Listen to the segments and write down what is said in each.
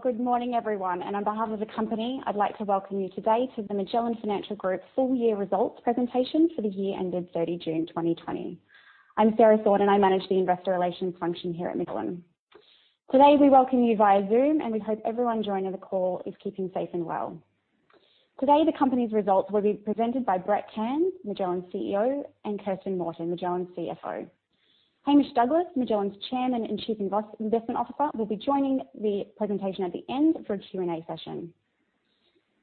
Good morning, everyone, and on behalf of the company, I'd like to welcome you today to the Magellan Financial Group full year results presentation for the year ended 30 June 2020. I'm Sarah Thorne, and I manage the investor relations function here at Magellan. Today, we welcome you via Zoom, and we hope everyone joining the call is keeping safe and well. Today, the company's results will be presented by Brett Cairns, Magellan's CEO, and Kirsten Morton, Magellan's CFO. Hamish Douglass, Magellan's Chairman and Chief Investment Officer, will be joining the presentation at the end for a Q&A session.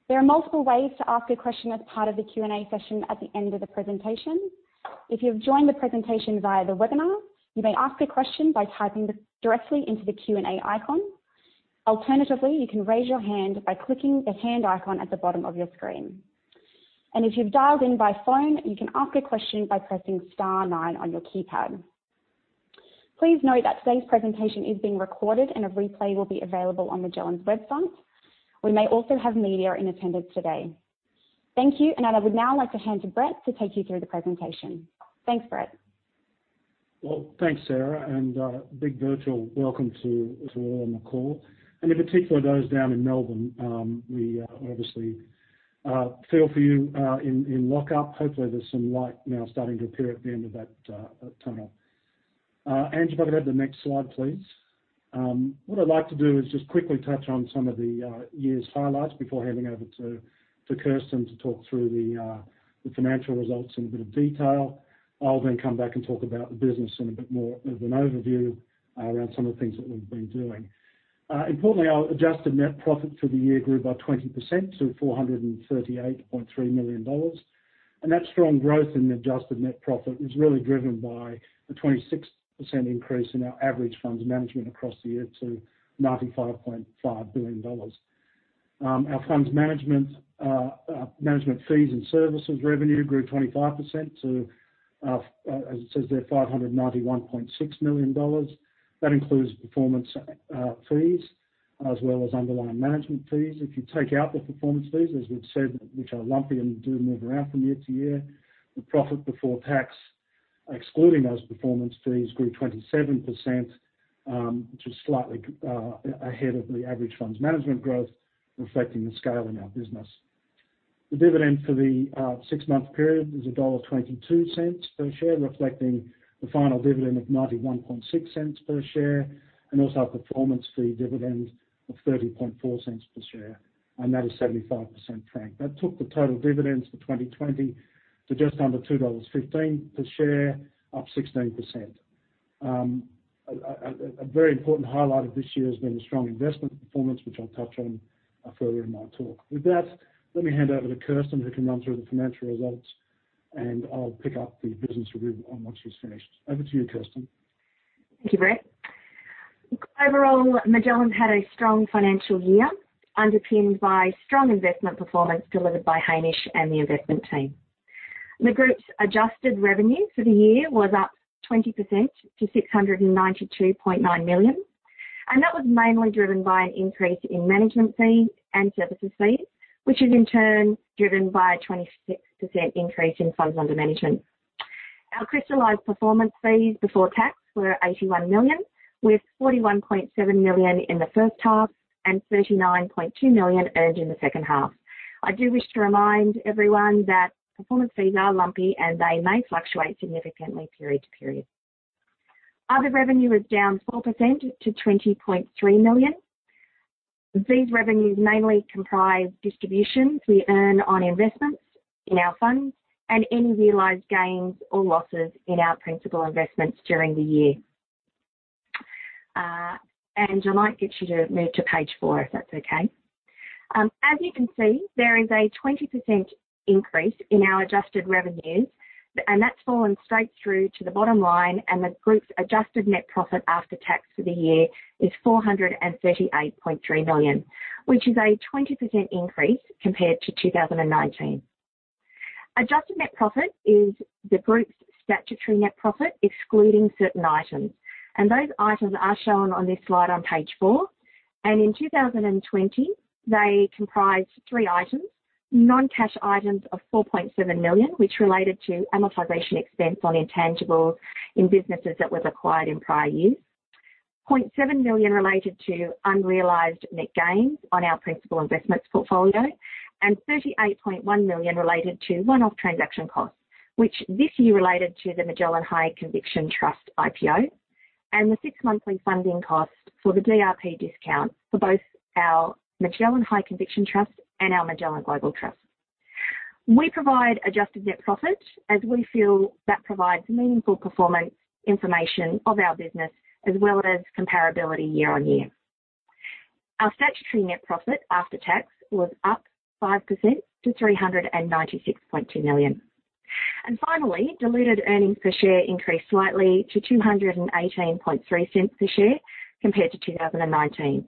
There are multiple ways to ask a question as part of the Q&A session at the end of the presentation. If you've joined the presentation via the webinar, you may ask a question by typing directly into the Q&A icon. Alternatively, you can raise your hand by clicking the hand icon at the bottom of your screen. If you've dialed in by phone, you can ask a question by pressing star nine on your keypad. Please note that today's presentation is being recorded and a replay will be available on Magellan's website. We may also have media in attendance today. Thank you. I would now like to hand to Brett to take you through the presentation. Thanks, Brett. Well, thanks, Sarah, a big virtual welcome to all on the call, and in particular, those down in Melbourne. We obviously feel for you in lockup. Hopefully, there's some light now starting to appear at the end of that tunnel. Ange, if I could have the next slide, please. What I'd like to do is just quickly touch on some of the year's highlights before handing over to Kirsten to talk through the financial results in a bit of detail. I'll come back and talk about the business in a bit more of an overview around some of the things that we've been doing. Importantly, our adjusted net profit for the year grew by 20% to 438.3 million dollars. That strong growth in adjusted net profit is really driven by the 26% increase in our average funds management across the year to 95.5 billion dollars. Our funds management fees and services revenue grew 25% to, as it says there, 591.6 million dollars. That includes performance fees as well as underlying management fees. If you take out the performance fees, as we've said, which are lumpy and do move around from year to year, the profit before tax, excluding those performance fees, grew 27%, which was slightly ahead of the average funds management growth, reflecting the scale in our business. The dividend for the six-month period is dollar 1.22 per share, reflecting the final dividend of 0.916 per share, and also a performance fee dividend of 0.304 per share, and that is 75% franked. That took the total dividends for 2020 to just under 2.15 dollars per share, up 16%. A very important highlight of this year has been the strong investment performance, which I'll touch on further in my talk. With that, let me hand over to Kirsten, who can run through the financial results, and I will pick up the business review once she is finished. Over to you, Kirsten. Thank you, Brett. Overall, Magellan had a strong financial year, underpinned by strong investment performance delivered by Hamish and the investment team. The group's adjusted revenue for the year was up 20% to 692.9 million, and that was mainly driven by an increase in management fees and services fees, which is in turn driven by a 26% increase in funds under management. Our crystallized performance fees before tax were 81 million, with 41.7 million in the first half and 39.2 million earned in the second half. I do wish to remind everyone that performance fees are lumpy, and they may fluctuate significantly period to period. Other revenue is down 4% to 20.3 million. These revenues mainly comprise distributions we earn on investments in our funds and any realized gains or losses in our principal investments during the year. Angela, I'd like you to move to page four, if that's okay. As you can see, there is a 20% increase in our adjusted revenues, and that's fallen straight through to the bottom line, and the group's adjusted net profit after tax for the year is 438.3 million, which is a 20% increase compared to 2019. Adjusted net profit is the group's statutory net profit, excluding certain items, and those items are shown on this slide on page four. In 2020, they comprised three items, non-cash items of 4.7 million, which related to amortization expense on intangibles in businesses that were acquired in prior years. 0.7 million related to unrealized net gains on our principal investments portfolio and 38.1 million related to one-off transaction costs, which this year related to the Magellan High Conviction Trust IPO and the six-monthly funding cost for the DRP discount for both our Magellan High Conviction Trust and our Magellan Global Trust. We provide adjusted net profit as we feel that provides meaningful performance information of our business, as well as comparability year on year. Our statutory net profit after tax was up 5% to 396.2 million. Finally, diluted earnings per share increased slightly to 2.183 per share compared to 2019.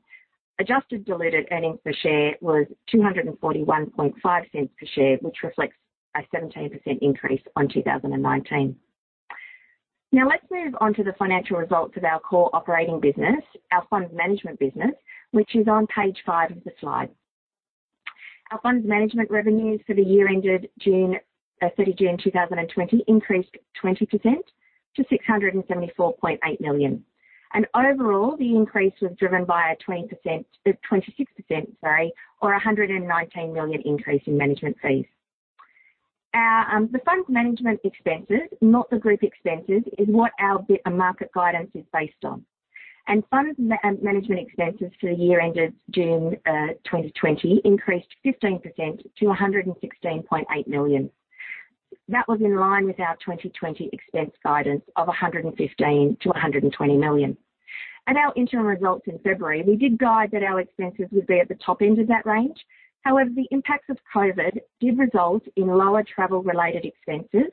Adjusted diluted earnings per share was 2.415 per share, which reflects a 17% increase on 2019. Now let's move on to the financial results of our core operating business, our fund management business, which is on page five of the slides. Our funds management revenues for the year ended 30 June 2020 increased 20% to 674.8 million. Overall, the increase was driven by a 26%, or 119 million increase in management fees. The funds management expenses, not the group expenses, is what our market guidance is based on. Funds management expenses for the year ended June 2020 increased 15% to 116.8 million. That was in line with our 2020 expense guidance of 115 million-120 million. At our interim results in February, we did guide that our expenses would be at the top end of that range. The impacts of COVID did result in lower travel-related expenses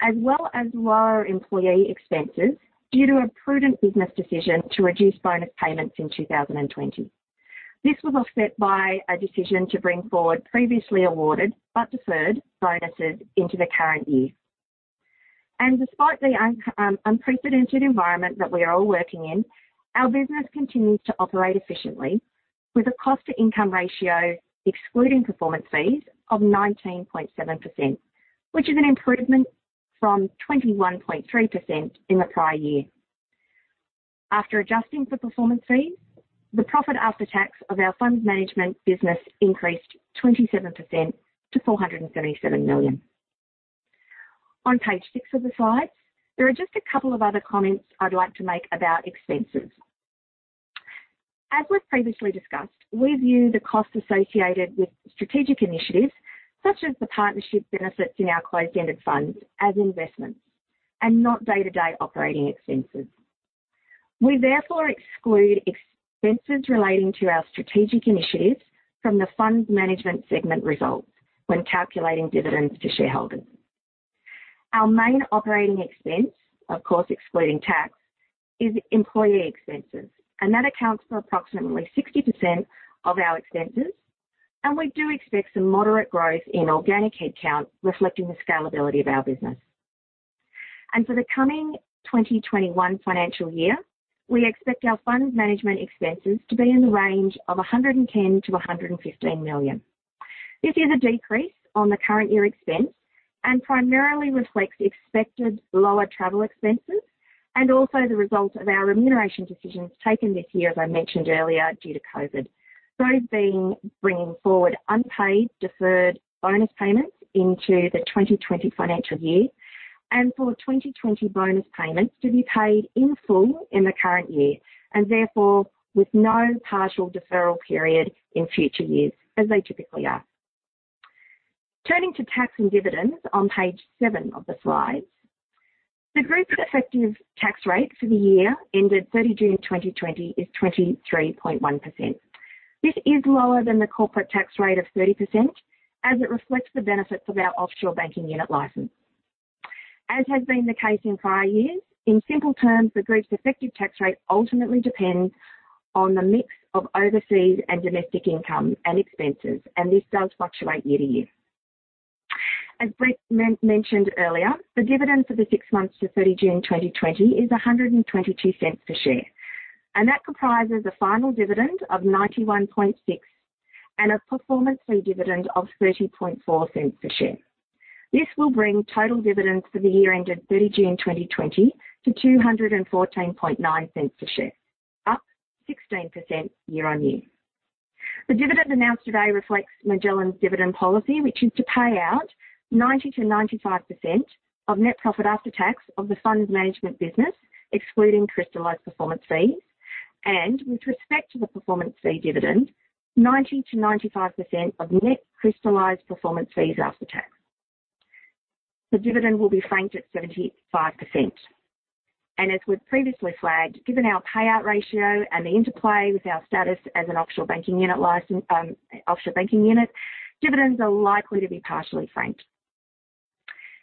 as well as lower employee expenses due to a prudent business decision to reduce bonus payments in 2020. This was offset by a decision to bring forward previously awarded, but deferred, bonuses into the current year. Despite the unprecedented environment that we are all working in, our business continues to operate efficiently with a cost-to-income ratio, excluding performance fees, of 19.7%, which is an improvement from 21.3% in the prior year. After adjusting for performance fees, the profit after tax of our funds management business increased 27% to 477 million. On page six of the slides, there are just a couple of other comments I'd like to make about expenses. As we've previously discussed, we view the cost associated with strategic initiatives, such as the partnership benefits in our closed-ended funds, as investments, and not day-to-day operating expenses. We therefore exclude expenses relating to our strategic initiatives from the funds management segment results when calculating dividends to shareholders. Our main operating expense, of course, excluding tax, is employee expenses, that accounts for approximately 60% of our expenses, we do expect some moderate growth in organic headcount, reflecting the scalability of our business. For the coming 2021 financial year, we expect our funds management expenses to be in the range of 110 million-115 million. This is a decrease on the current year expense and primarily reflects expected lower travel expenses and also the result of our remuneration decisions taken this year, as I mentioned earlier, due to COVID, those being bringing forward unpaid deferred bonus payments into the 2020 financial year and for 2020 bonus payments to be paid in full in the current year, and therefore with no partial deferral period in future years, as they typically are. Turning to tax and dividends on page seven of the slides. The group effective tax rate for the year ended 30 June 2020 is 23.1%. This is lower than the corporate tax rate of 30%, as it reflects the benefits of our offshore banking unit license. As has been the case in prior years, in simple terms, the group's effective tax rate ultimately depends on the mix of overseas and domestic income and expenses, and this does fluctuate year to year. As Brett mentioned earlier, the dividend for the six months to 30 June 2020 is 1.22 per share, and that comprises a final dividend of 0.916 and a performance fee dividend of 0.304 per share. This will bring total dividends for the year ended 30 June 2020 to 2.149 per share, up 16% year-on-year. The dividend announced today reflects Magellan's dividend policy, which is to pay out 90%-95% of net profit after tax of the funds management business, excluding crystallized performance fees, and with respect to the performance fee dividend, 90%-95% of net crystallized performance fees after tax. The dividend will be franked at 75%. As we've previously flagged, given our payout ratio and the interplay with our status as an offshore banking unit, dividends are likely to be partially franked.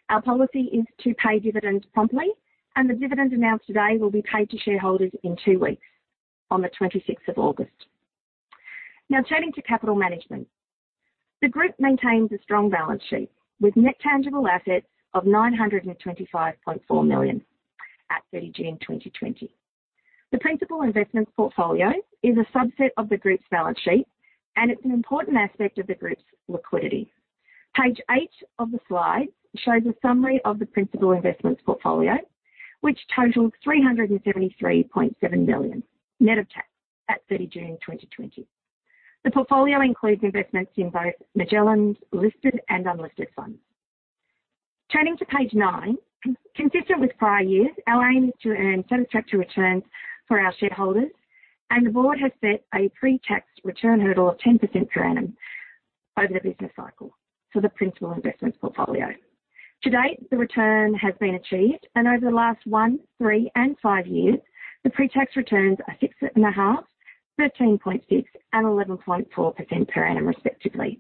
Our policy is to pay dividends promptly, and the dividend announced today will be paid to shareholders in two weeks, on the 26th of August. Now turning to capital management. The group maintains a strong balance sheet with net tangible assets of 925.4 million at 30 June 2020. The principal investments portfolio is a subset of the group's balance sheet, and it's an important aspect of the group's liquidity. Page eight of the slides shows a summary of the principal investments portfolio, which totaled AUD 373.7 million, net of tax, at 30 June 2020. The portfolio includes investments in both Magellan's listed and unlisted funds. Turning to page nine. Consistent with prior years, our aim is to earn satisfactory returns for our shareholders, and the board has set a pre-tax return hurdle of 10% per annum over the business cycle for the principal investments portfolio. To date, the return has been achieved, and over the last one, three, and five years, the pre-tax returns are 6.5%, 13.6%, and 11.4% per annum respectively.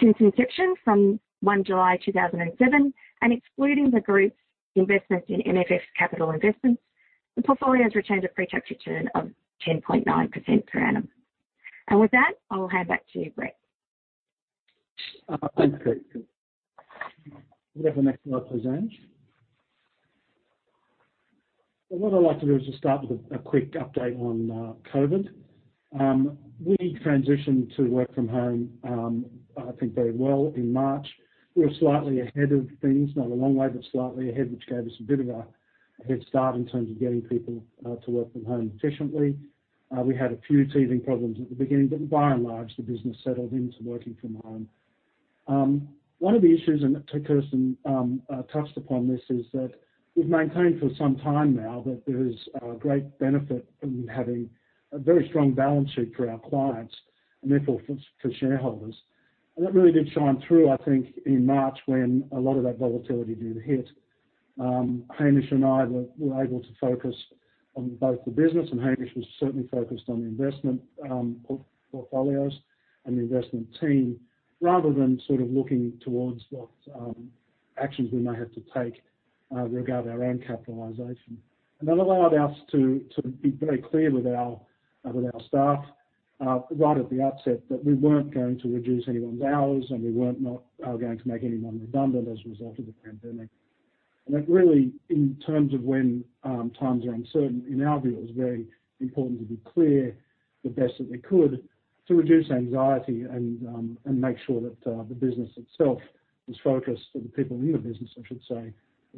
Since inception from 1 July 2007, and excluding the group's investments in MFF Capital Investments, the portfolio has returned a pre-tax return of 10.9% per annum. With that, I'll hand back to you, Brett Cairns. Thanks, Kirsten. Could we have the next slide, please, Ange? What I'd like to do is just start with a quick update on COVID. We transitioned to work from home, I think very well, in March. We were slightly ahead of things, not a long way, but slightly ahead, which gave us a bit of a head start in terms of getting people to work from home efficiently. We had a few teething problems at the beginning, but by and large, the business settled into working from home. One of the issues, and Kirsten touched upon this, is that we've maintained for some time now that there is a great benefit in having a very strong balance sheet for our clients and therefore for shareholders. That really did shine through, I think, in March when a lot of that volatility did hit. Hamish and I were able to focus on both the business, and Hamish was certainly focused on the investment portfolios and the investment team, rather than looking towards what actions we may have to take regarding our own capitalization. That allowed us to be very clear with our staff right at the outset that we weren't going to reduce anyone's hours, and we were not going to make anyone redundant as a result of the pandemic. That really, in terms of when times are uncertain, in our view, it was very important to be clear the best that we could to reduce anxiety and make sure that the business itself was focused on the people in the business, I should say,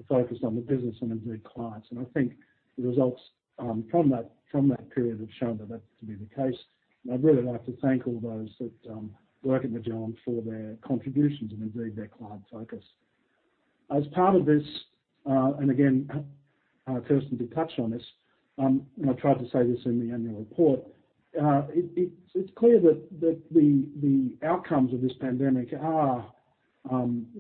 focused on the business and indeed clients. I think the results from that period have shown that to be the case. I'd really like to thank all those that work at Magellan for their contributions and indeed their client focus. As part of this, and again, Kirsten did touch on this, and I tried to say this in the annual report, it's clear that the outcomes of this pandemic are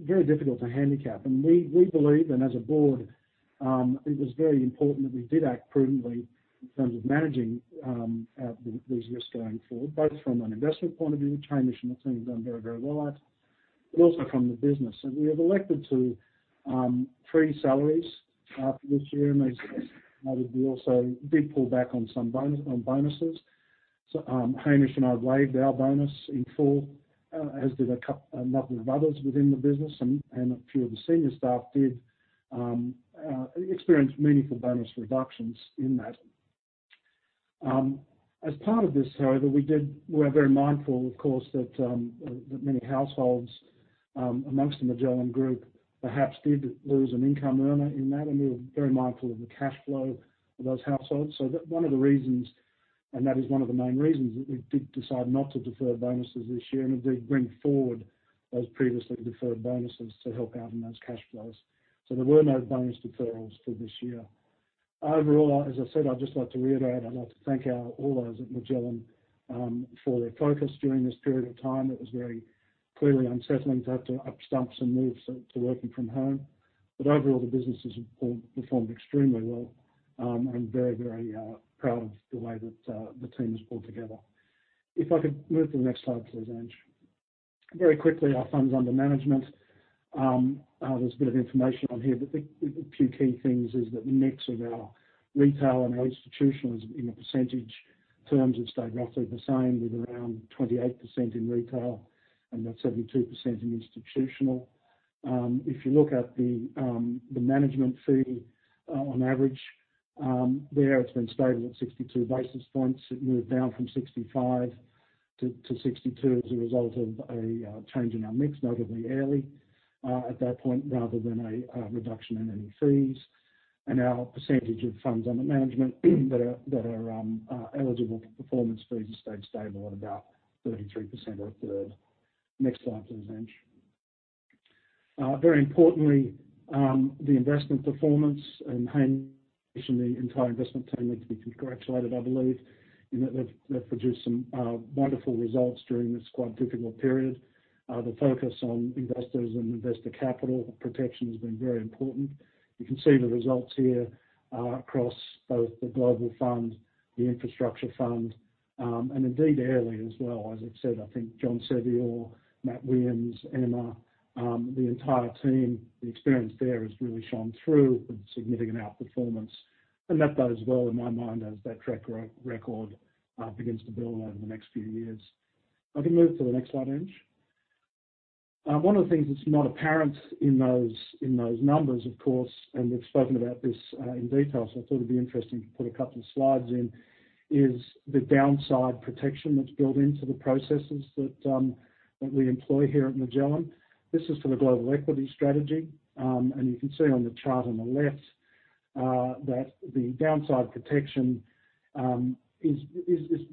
very difficult to handicap. We believe, and as a board, it was very important that we did act prudently in terms of managing these risks going forward, both from an investment point of view, Hamish and the team have done very, very well at, but also from the business. We have elected to freeze salaries for this year, and as noted, we also did pull back on bonuses. Hamish and I waived our bonus in full, as did a number of others within the business, and a few of the senior staff did experience meaningful bonus reductions in that. As part of this, however, we were very mindful, of course, that many households amongst the Magellan Group perhaps did lose an income earner in that, and we were very mindful of the cash flow of those households. One of the reasons, and that is one of the main reasons that we did decide not to defer bonuses this year and indeed bring forward those previously deferred bonuses to help out in those cash flows. There were no bonus deferrals for this year. Overall, as I said, I'd just like to reiterate, I'd like to thank all those at Magellan for their focus during this period of time. It was very clearly unsettling to have to up stumps and move to working from home. Overall, the business has performed extremely well. I'm very, very proud of the way that the team has pulled together. If I could move to the next slide, please, Ange. Very quickly, our funds under management. There's a bit of information on here, but the few key things is that the mix of our retail and our institutional in percentage terms have stayed roughly the same with around 28% in retail and 72% in institutional. If you look at the management fee on average, there it's been stable at 62 basis points. It moved down from 65 to 62 as a result of a change in our mix, notably Airlie at that point, rather than a reduction in any fees. Our percentage of funds under management that are eligible for performance fees has stayed stable at about 33% or a third. Next slide, please, Ange. Very importantly, the investment performance and Hamish and the entire investment team are to be congratulated, I believe. They've produced some wonderful results during this quite difficult period. The focus on investors and investor capital protection has been very important. You can see the results here across both the Global Fund, the Infrastructure Fund, and indeed Airlie as well. As I've said, I think John Sevior, Matt Williams, Emma, the entire team, the experience there has really shone through with significant outperformance. That bodes well in my mind as that track record begins to build over the next few years. If I can move to the next slide, Ange. One of the things that's not apparent in those numbers, of course, we've spoken about this in detail, I thought it'd be interesting to put a couple of slides in, is the downside protection that's built into the processes that we employ here at Magellan. This is for the global equity strategy. You can see on the chart on the left that the downside protection is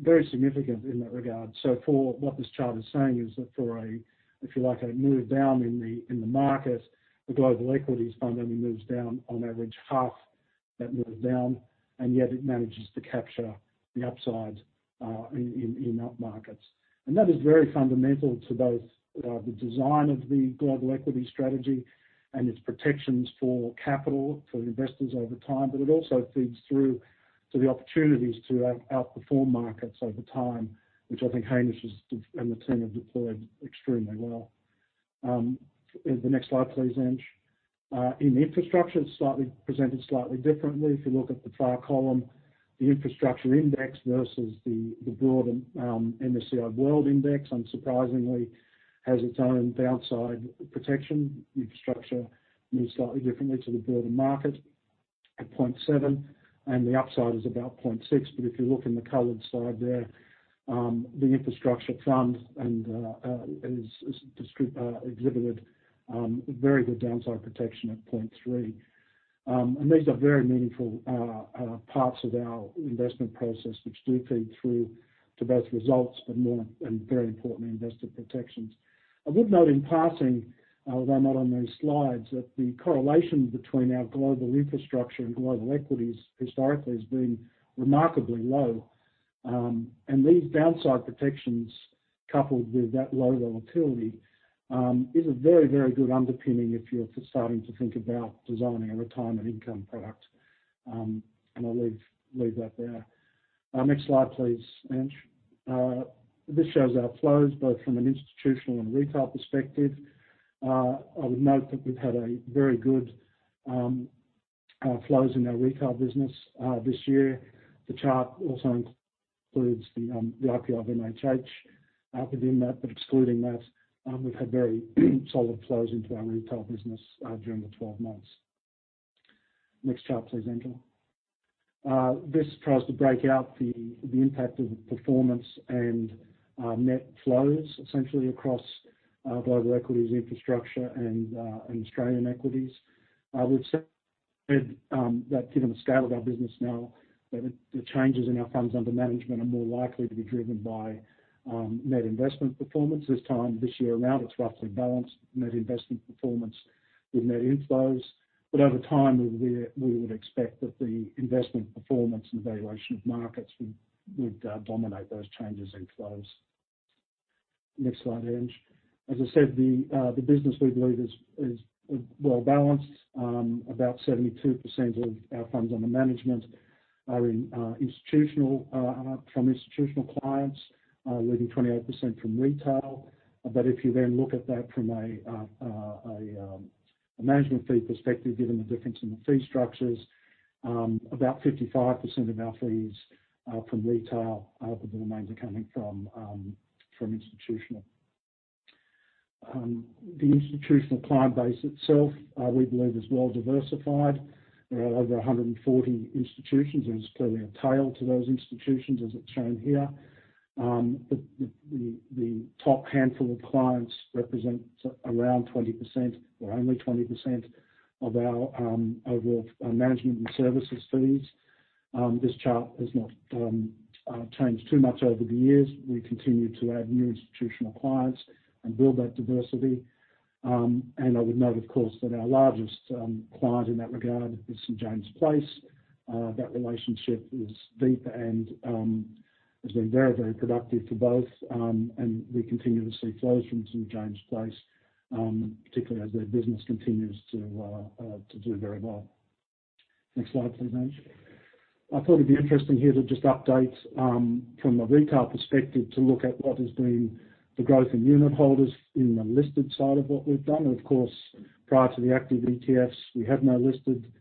very significant in that regard. For what this chart is saying is that for, if you like, a move down in the market, the Global Equities Fund only moves down on average half that move down, and yet it manages to capture the upside in up markets. That is very fundamental to both the design of the global equity strategy and its protections for capital for investors over time, but it also feeds through to the opportunities to outperform markets over time, which I think Hamish and the team have deployed extremely well. The next slide, please, Ange. In infrastructure, it is presented slightly differently. If you look at the far column, the infrastructure index versus the broader MSCI World Index, unsurprisingly, has its own downside protection. Infrastructure moves slightly differently to the broader market at 0.7, and the upside is about 0.6. If you look in the colored side there, the infrastructure fund has exhibited very good downside protection at 0.3. These are very meaningful parts of our investment process, which do feed through to both results, but more and very importantly, investor protections. I would note in passing, although not on these slides, that the correlation between our global infrastructure and global equities historically has been remarkably low. These downside protections, coupled with that low volatility, is a very good underpinning if you're starting to think about designing a retirement income product. I'll leave that there. Next slide, please, Ange. This shows our flows both from an institutional and retail perspective. I would note that we've had very good flows in our retail business this year. The chart also includes the IPO of MHH within that, but excluding that, we've had very solid flows into our retail business during the 12 months. Next chart, please, Angela. This tries to break out the impact of performance and net flows essentially across global equities infrastructure and Australian equities. We've said that given the scale of our business now, that the changes in our funds under management are more likely to be driven by net investment performance. This time, this year around, it's roughly balanced net investment performance with net inflows. Over time, we would expect that the investment performance and valuation of markets would dominate those changes in flows. Next slide, Ange. As I said, the business, we believe is well-balanced. About 72% of our funds under management are from institutional clients, leaving 28% from retail. If you then look at that from a management fee perspective, given the difference in the fee structures, about 55% of our fees are from retail, but the remains are coming from institutional. The institutional client base itself, we believe, is well diversified. There are over 140 institutions. There is clearly a tail to those institutions, as it's shown here. The top handful of clients represent around 20% or only 20% of our overall management and services fees. This chart has not changed too much over the years. We continue to add new institutional clients and build that diversity. I would note, of course, that our largest client in that regard is St. James's Place. That relationship is deep and has been very productive for both, and we continue to see flows from St. James's Place, particularly as their business continues to do very well. Next slide, please, Ange. I thought it'd be interesting here to just update from a retail perspective to look at what has been the growth in unit holders in the listed side of what we've done. Of course, prior to the active ETFs, we had no listed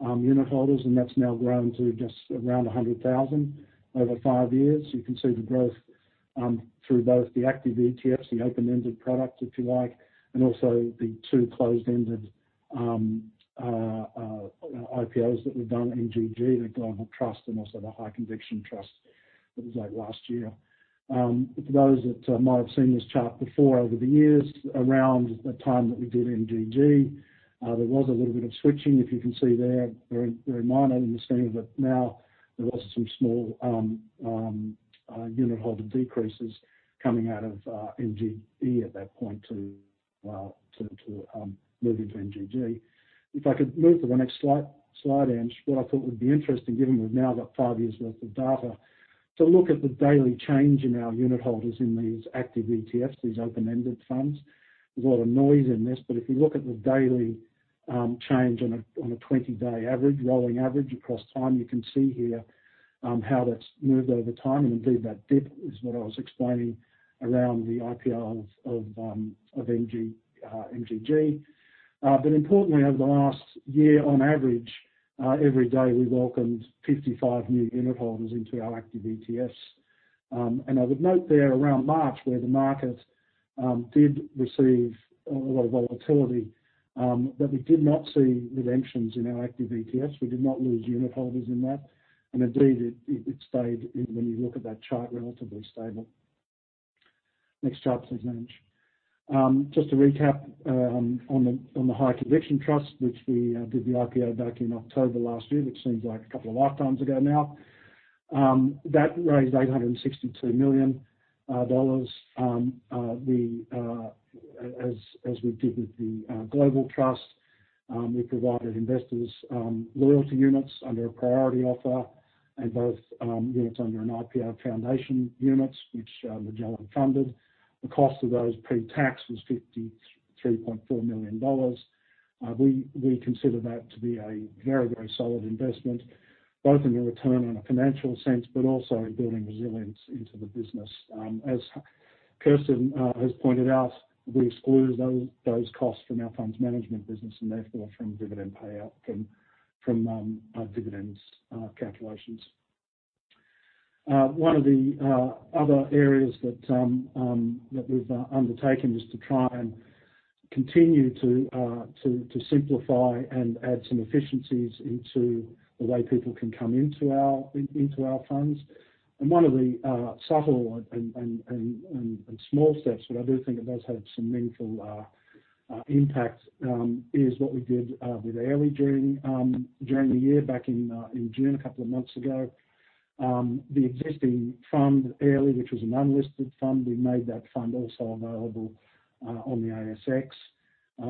unit holders, and that's now grown to just around 100,000 over five years. You can see the growth through both the active ETFs, the open-ended product, if you like, and also the two closed-ended IPOs that we've done, MGG, the Magellan Global Trust, and also the Magellan High Conviction Trust that was out last year. For those that might have seen this chart before, over the years, around the time that we did MGG, there was a little bit of switching, if you can see there, very minor in the scheme of it now. There was some small unit holder decreases coming out of MGE at that point to move into MGG. If I could move to the next slide, Ange, what I thought would be interesting, given we've now got five years' worth of data, to look at the daily change in our unit holders in these active ETFs, these open-ended funds. There's a lot of noise in this, but if you look at the daily change on a 20-day average, rolling average across time, you can see here how that's moved over time. Indeed, that dip is what I was explaining around the IPO of MGG. Importantly, over the last year, on average, every day, we welcomed 55 new unit holders into our active ETFs. I would note there around March, where the market did receive a lot of volatility, that we did not see redemptions in our active ETFs. We did not lose unit holders in that. Indeed, it stayed, when you look at that chart, relatively stable. Next chart, please, Ange. Just to recap on the High Conviction Trust, which we did the IPO back in October last year, which seems like a couple of lifetimes ago now. That raised AUD 862 million. As we did with the Global Trust, we provided investors loyalty units under a priority offer and both units under an IPO foundation units, which Magellan funded. The cost of those pre-tax was 53.4 million dollars. We consider that to be a very solid investment, both in the return on a financial sense, but also in building resilience into the business as Kirsten has pointed out, we exclude those costs from our funds management business and therefore from dividend payout from our dividends calculations. One of the other areas that we've undertaken is to try and continue to simplify and add some efficiencies into the way people can come into our funds. One of the subtle and small steps, but I do think it does have some meaningful impact, is what we did with Airlie during the year back in June, a couple of months ago. The existing fund, Airlie, which was an unlisted fund, we made that fund also available on the ASX.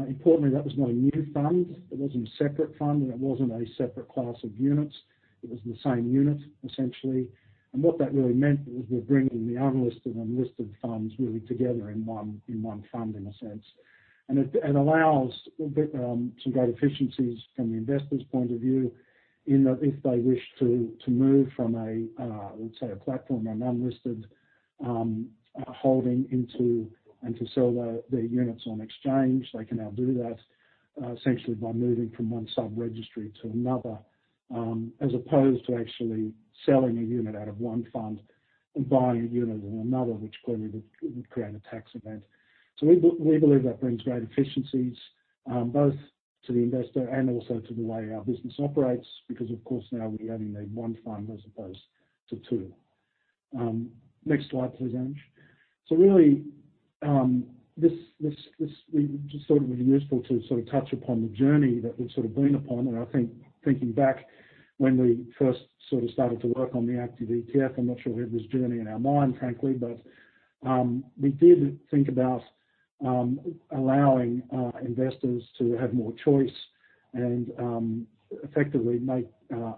Importantly, that was not a new fund. It wasn't a separate fund, and it wasn't a separate class of units. It was the same unit, essentially. What that really meant was we're bringing the unlisted and listed funds really together in one fund in a sense. It allows some great efficiencies from the investor's point of view in that if they wish to move from a, let's say, a platform, an unlisted holding and to sell their units on exchange, they can now do that essentially by moving from one sub-registry to another as opposed to actually selling a unit out of one fund and buying a unit in another, which clearly would create a tax event. We believe that brings great efficiencies, both to the investor and also to the way our business operates because, of course, now we only need one fund as opposed to two. Next slide, please, Ange. Really, we just thought it would be useful to touch upon the journey that we've been upon. I think, thinking back when we first started to work on the active ETF, I'm not sure we had this journey in our mind, frankly. We did think about allowing investors to have more choice and effectively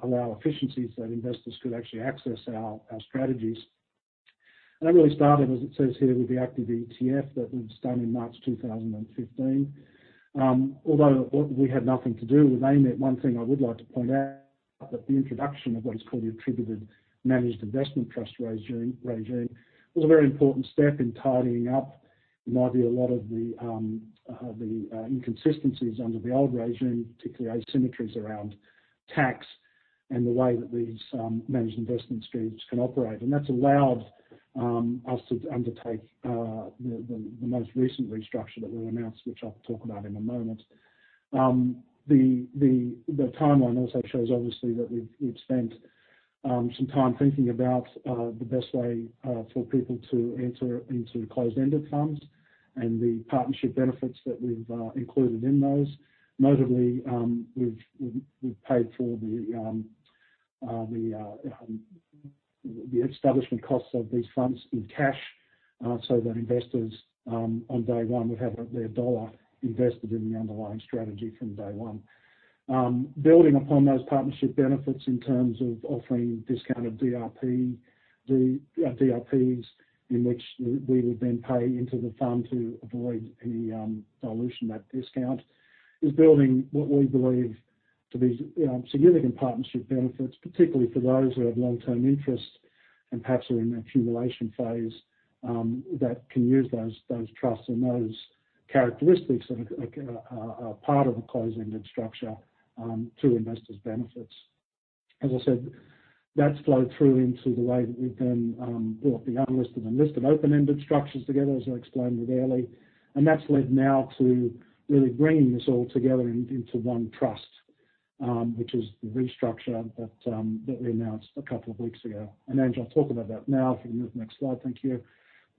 allow efficiencies that investors could actually access our strategies. That really started, as it says here, with the active ETF that we've done in March 2015. Although we had nothing to do with AMIT, one thing I would like to point out that the introduction of what is called the Attribution Managed Investment Trust regime was a very important step in tidying up, in my view, a lot of the inconsistencies under the old regime, particularly asymmetries around tax and the way that these managed investment schemes can operate. That's allowed us to undertake the most recent restructure that we announced, which I'll talk about in a moment. The timeline also shows, obviously, that we've spent some time thinking about the best way for people to enter into closed-ended funds and the partnership benefits that we've included in those. Notably, we've paid for the establishment costs of these funds in cash so that investors on day one would have their AUD invested in the underlying strategy from day one. Building upon those partnership benefits in terms of offering discounted DRPs in which we would then pay into the fund to avoid any dilution of that discount, is building what we believe to be significant partnership benefits, particularly for those who have long-term interest and perhaps are in an accumulation phase, that can use those trusts and those characteristics that are part of a closed-ended structure to investors' benefits. As I said, that's flowed through into the way that we've then brought the unlisted and listed open-ended structures together, as I explained with Airlie. That's led now to really bringing this all together into one trust, which is the restructure that we announced a couple of weeks ago. Ange, I'll talk about that now if we can move to the next slide. Thank you.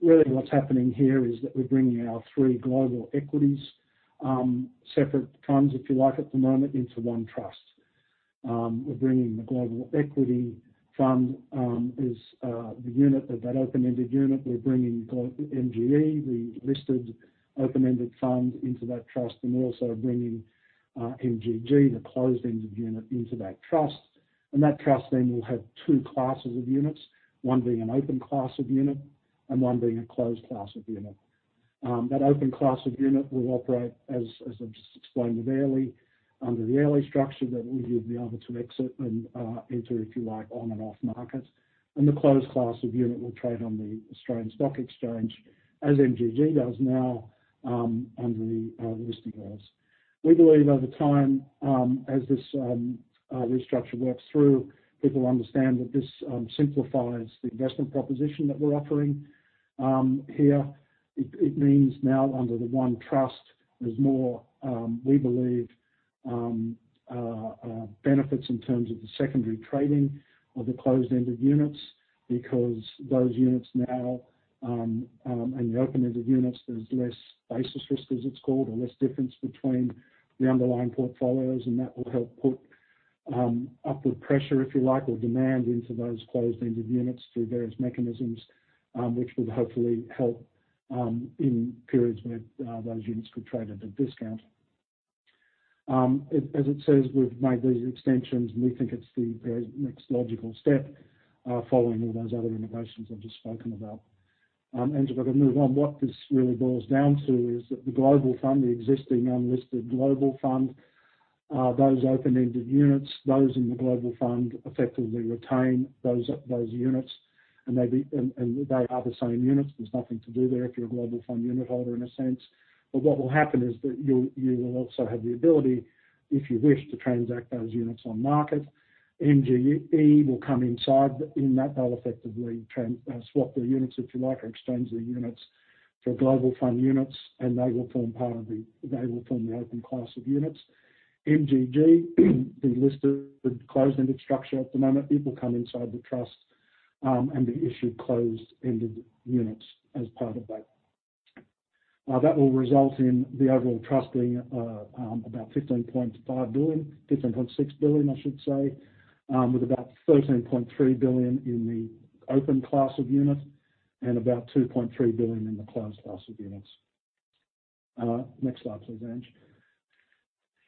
Really what's happening here is that we're bringing our three global equities, separate funds, if you like, at the moment, into one trust. We're bringing the global equity fund as the unit of that open-ended unit. Also bringing MGE, the listed open-ended fund into that trust, and also bringing MGG, the closed-ended unit into that trust. That trust then will have two classes of units, one being an open class of unit and one being a closed class of unit. That open class of unit will operate, as I've just explained with Airlie, under the Airlie structure that you'd be able to exit and enter, if you like, on and off market. The closed class of unit will trade on the Australian Stock Exchange, as MGG does now under the listing rules. We believe over time, as this restructure works through, people understand that this simplifies the investment proposition that we're offering here. It means now under the one trust, there's more, we believe, benefits in terms of the secondary trading of the closed-ended units because those units now, and the open-ended units, there's less basis risk as it's called, or less difference between the underlying portfolios and that will help put upward pressure, if you like, or demand into those closed-ended units through various mechanisms, which would hopefully help in periods where those units could trade at a discount. As it says, we've made these extensions and we think it's the next logical step following all those other innovations I've just spoken about. Ange, if I could move on. What this really boils down to is that the Magellan Global Fund, the existing unlisted Magellan Global Fund. Those open-ended units, those in the Magellan Global Fund effectively retain those units, and they are the same units. There's nothing to do there if you're a Magellan Global Fund unit holder, in a sense. What will happen is that you will also have the ability, if you wish, to transact those units on market. MGE will come inside in that, they'll effectively swap the units, if you like, or exchange the units for Magellan Global Fund units, and they will form the open class of units. MGG, the listed closed-ended structure at the moment, it will come inside the trust and be issued closed-ended units as part of that. That will result in the overall trust being about 15.5 billion, 15.6 billion, I should say, with about 13.3 billion in the open class of units and about 2.3 billion in the closed class of units. Next slide, please, Ange.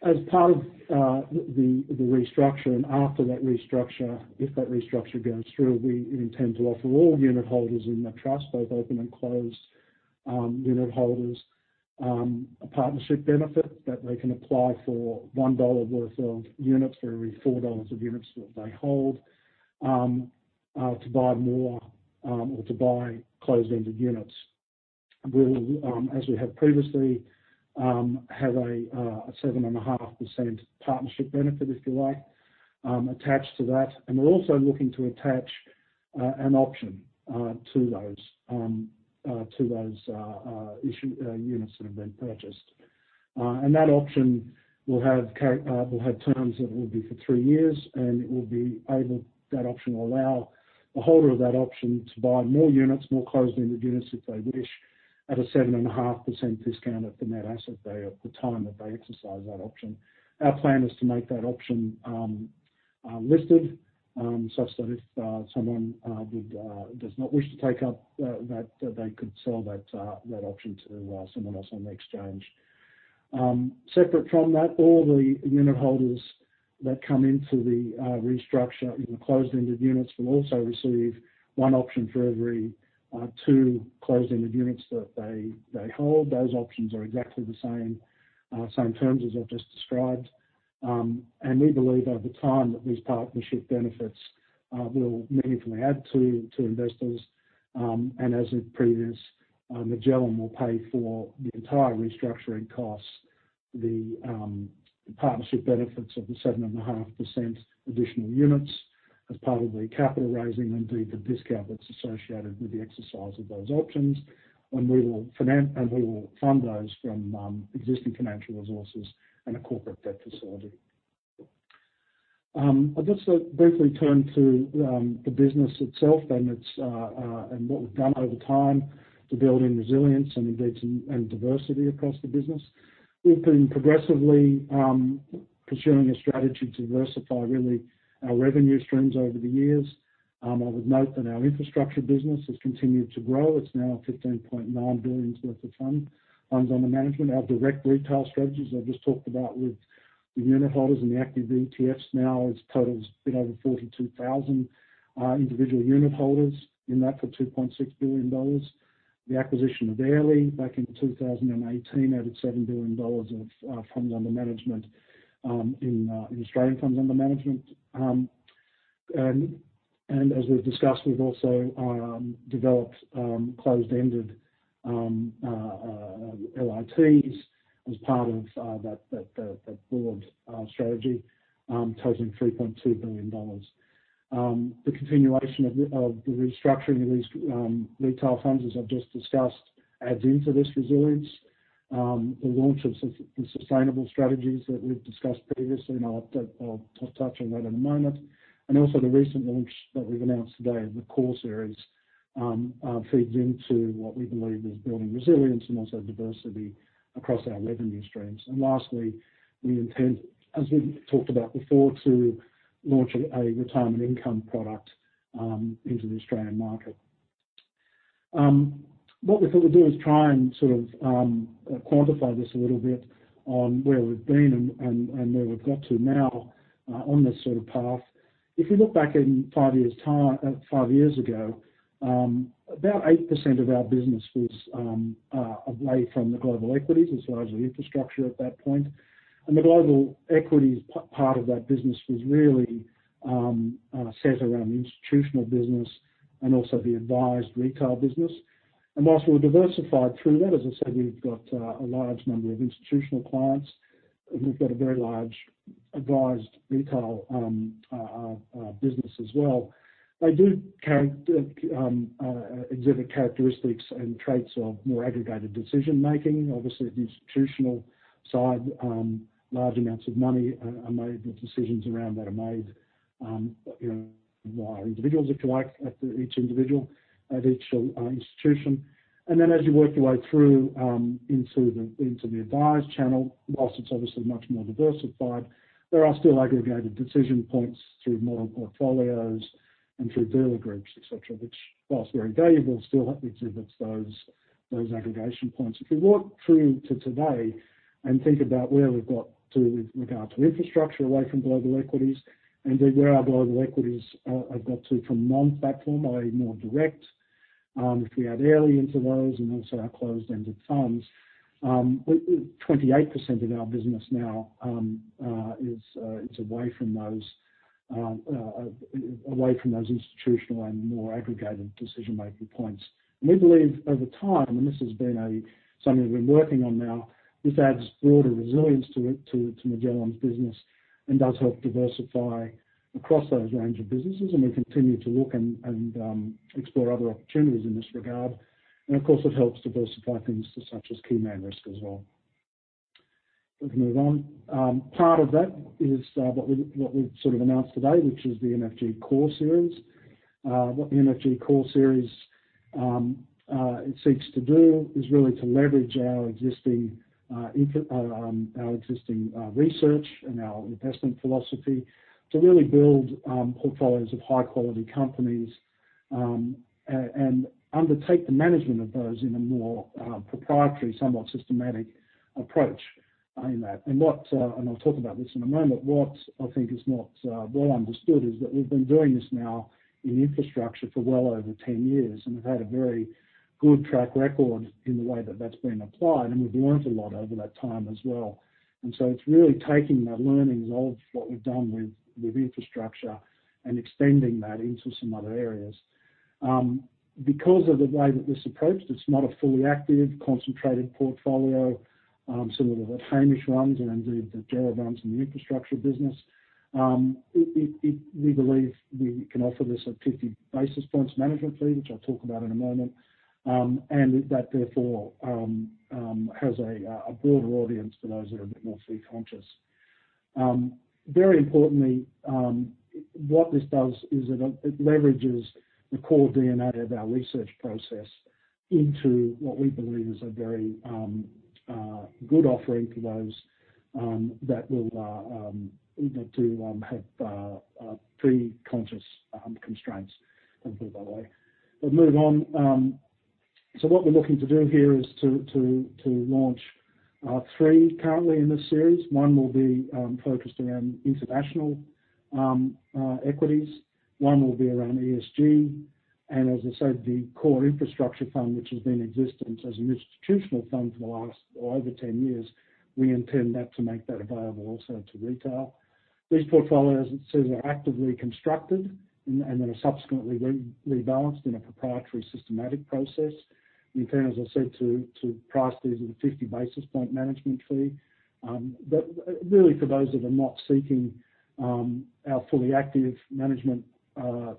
As part of the restructure and after that restructure, if that restructure goes through, we intend to offer all unit holders in the trust, both open and closed unit holders, a partnership benefit that they can apply for 1 dollar worth of units for every 4 dollars of units that they hold to buy more or to buy closed-ended units. We'll, as we have previously, have a 7.5% partnership benefit, if you like, attached to that. We're also looking to attach an option to those issued units that have been purchased. That option will have terms that will be for three years, and that option will allow the holder of that option to buy more units, more closed-ended units if they wish, at a 7.5% discount at the net asset value at the time that they exercise that option. Our plan is to make that option listed, such that if someone does not wish to take up that, they could sell that option to someone else on the exchange. Separate from that, all the unitholders that come into the restructure in the closed-ended units will also receive one option for every two closed-ended units that they hold. Those options are exactly the same terms as I have just described. We believe over time that these partnership benefits will meaningfully add to investors. As in previous, Magellan will pay for the entire restructuring costs, the partnership benefits of the 7.5% additional units as part of the capital raising, indeed, the discount that's associated with the exercise of those options. We will fund those from existing financial resources and a corporate debt facility. I'll just briefly turn to the business itself and what we've done over time to build in resilience and indeed diversity across the business. We've been progressively pursuing a strategy to diversify really our revenue streams over the years. I would note that our Infrastructure business has continued to grow. It's now 15.9 billion worth of funds under management. Our direct retail strategies I've just talked about with the unit holders and the active ETFs now totals a bit over 42,000 individual unit holders in that for 2.6 billion dollars. The acquisition of Airlie back in 2018 added 7 billion dollars of funds under management in Australian funds under management. As we've discussed, we've also developed closed-ended LITs as part of that broad strategy, totaling 3.2 billion dollars. The continuation of the restructuring of these retail funds, as I've just discussed, adds into this resilience. The launch of the sustainable strategies that we've discussed previously, and I'll touch on that in a moment, and also the recent launch that we've announced today, the Core Series, feeds into what we believe is building resilience and also diversity across our revenue streams. Lastly, we intend, as we talked about before, to launch a retirement income product into the Australian market. What we thought we'd do is try and sort of quantify this a little bit on where we've been and where we've got to now on this sort of path. If we look back five years ago, about 8% of our business was away from the global equities as large infrastructure at that point. The global equities part of that business was really set around the institutional business and also the advised retail business. Whilst we've diversified through that, as I said, we've got a large number of institutional clients, and we've got a very large advised retail business as well. They do exhibit characteristics and traits of more aggregated decision-making. Obviously, the institutional side, large amounts of money are made with decisions around that are made by individuals, if you like, at each individual, at each institution. Then as you work your way through into the advised channel, whilst it's obviously much more diversified, there are still aggregated decision points through model portfolios and through dealer groups, et cetera, which whilst very valuable, still exhibits those aggregation points. If we walk through to today and think about where we've got to with regard to infrastructure away from global equities, indeed where our global equities have got to from non-platform, i.e., more direct. If we add Airlie into those and also our closed-ended funds, 28% of our business now is away from those institutional and more aggregated decision-making points. We believe over time, and this has been something we've been working on now, this adds broader resilience to Magellan's business and does help diversify across those range of businesses, and we continue to look and explore other opportunities in this regard. Of course, it helps diversify things such as key man risk as well. We can move on. Part of that is what we've sort of announced today, which is the MFG Core Series. What the MFG Core Series seeks to do is really to leverage our existing research and our investment philosophy to really build portfolios of high-quality companies, and undertake the management of those in a more proprietary, somewhat systematic approach in that. I'll talk about this in a moment, what I think is not well understood is that we've been doing this now in infrastructure for well over 10 years, and we've had a very good track record in the way that that's been applied, and we've learned a lot over that time as well. It's really taking the learnings of what we've done with infrastructure and extending that into some other areas. Because of the way that this approached, it's not a fully active, concentrated portfolio, similar to the Hamish ones and indeed the Gerald ones in the infrastructure business. We believe we can offer this at 50 basis points management fee, which I'll talk about in a moment, and that therefore, has a broader audience for those that are a bit more fee conscious. Very importantly, what this does is it leverages the core DNA of our research process into what we believe is a very good offering for those that will do have fee-conscious constraints and put it that way. We'll move on. What we're looking to do here is to launch three currently in this series. One will be focused around international equities, one will be around ESG, and as I said, the core infrastructure fund, which has been in existence as an institutional fund for the last over 10 years, we intend to make that available also to retail. These portfolios are actively constructed and then are subsequently rebalanced in a proprietary systematic process. We intend, as I said, to price these at a 50 basis point management fee. Really for those that are not seeking our fully active management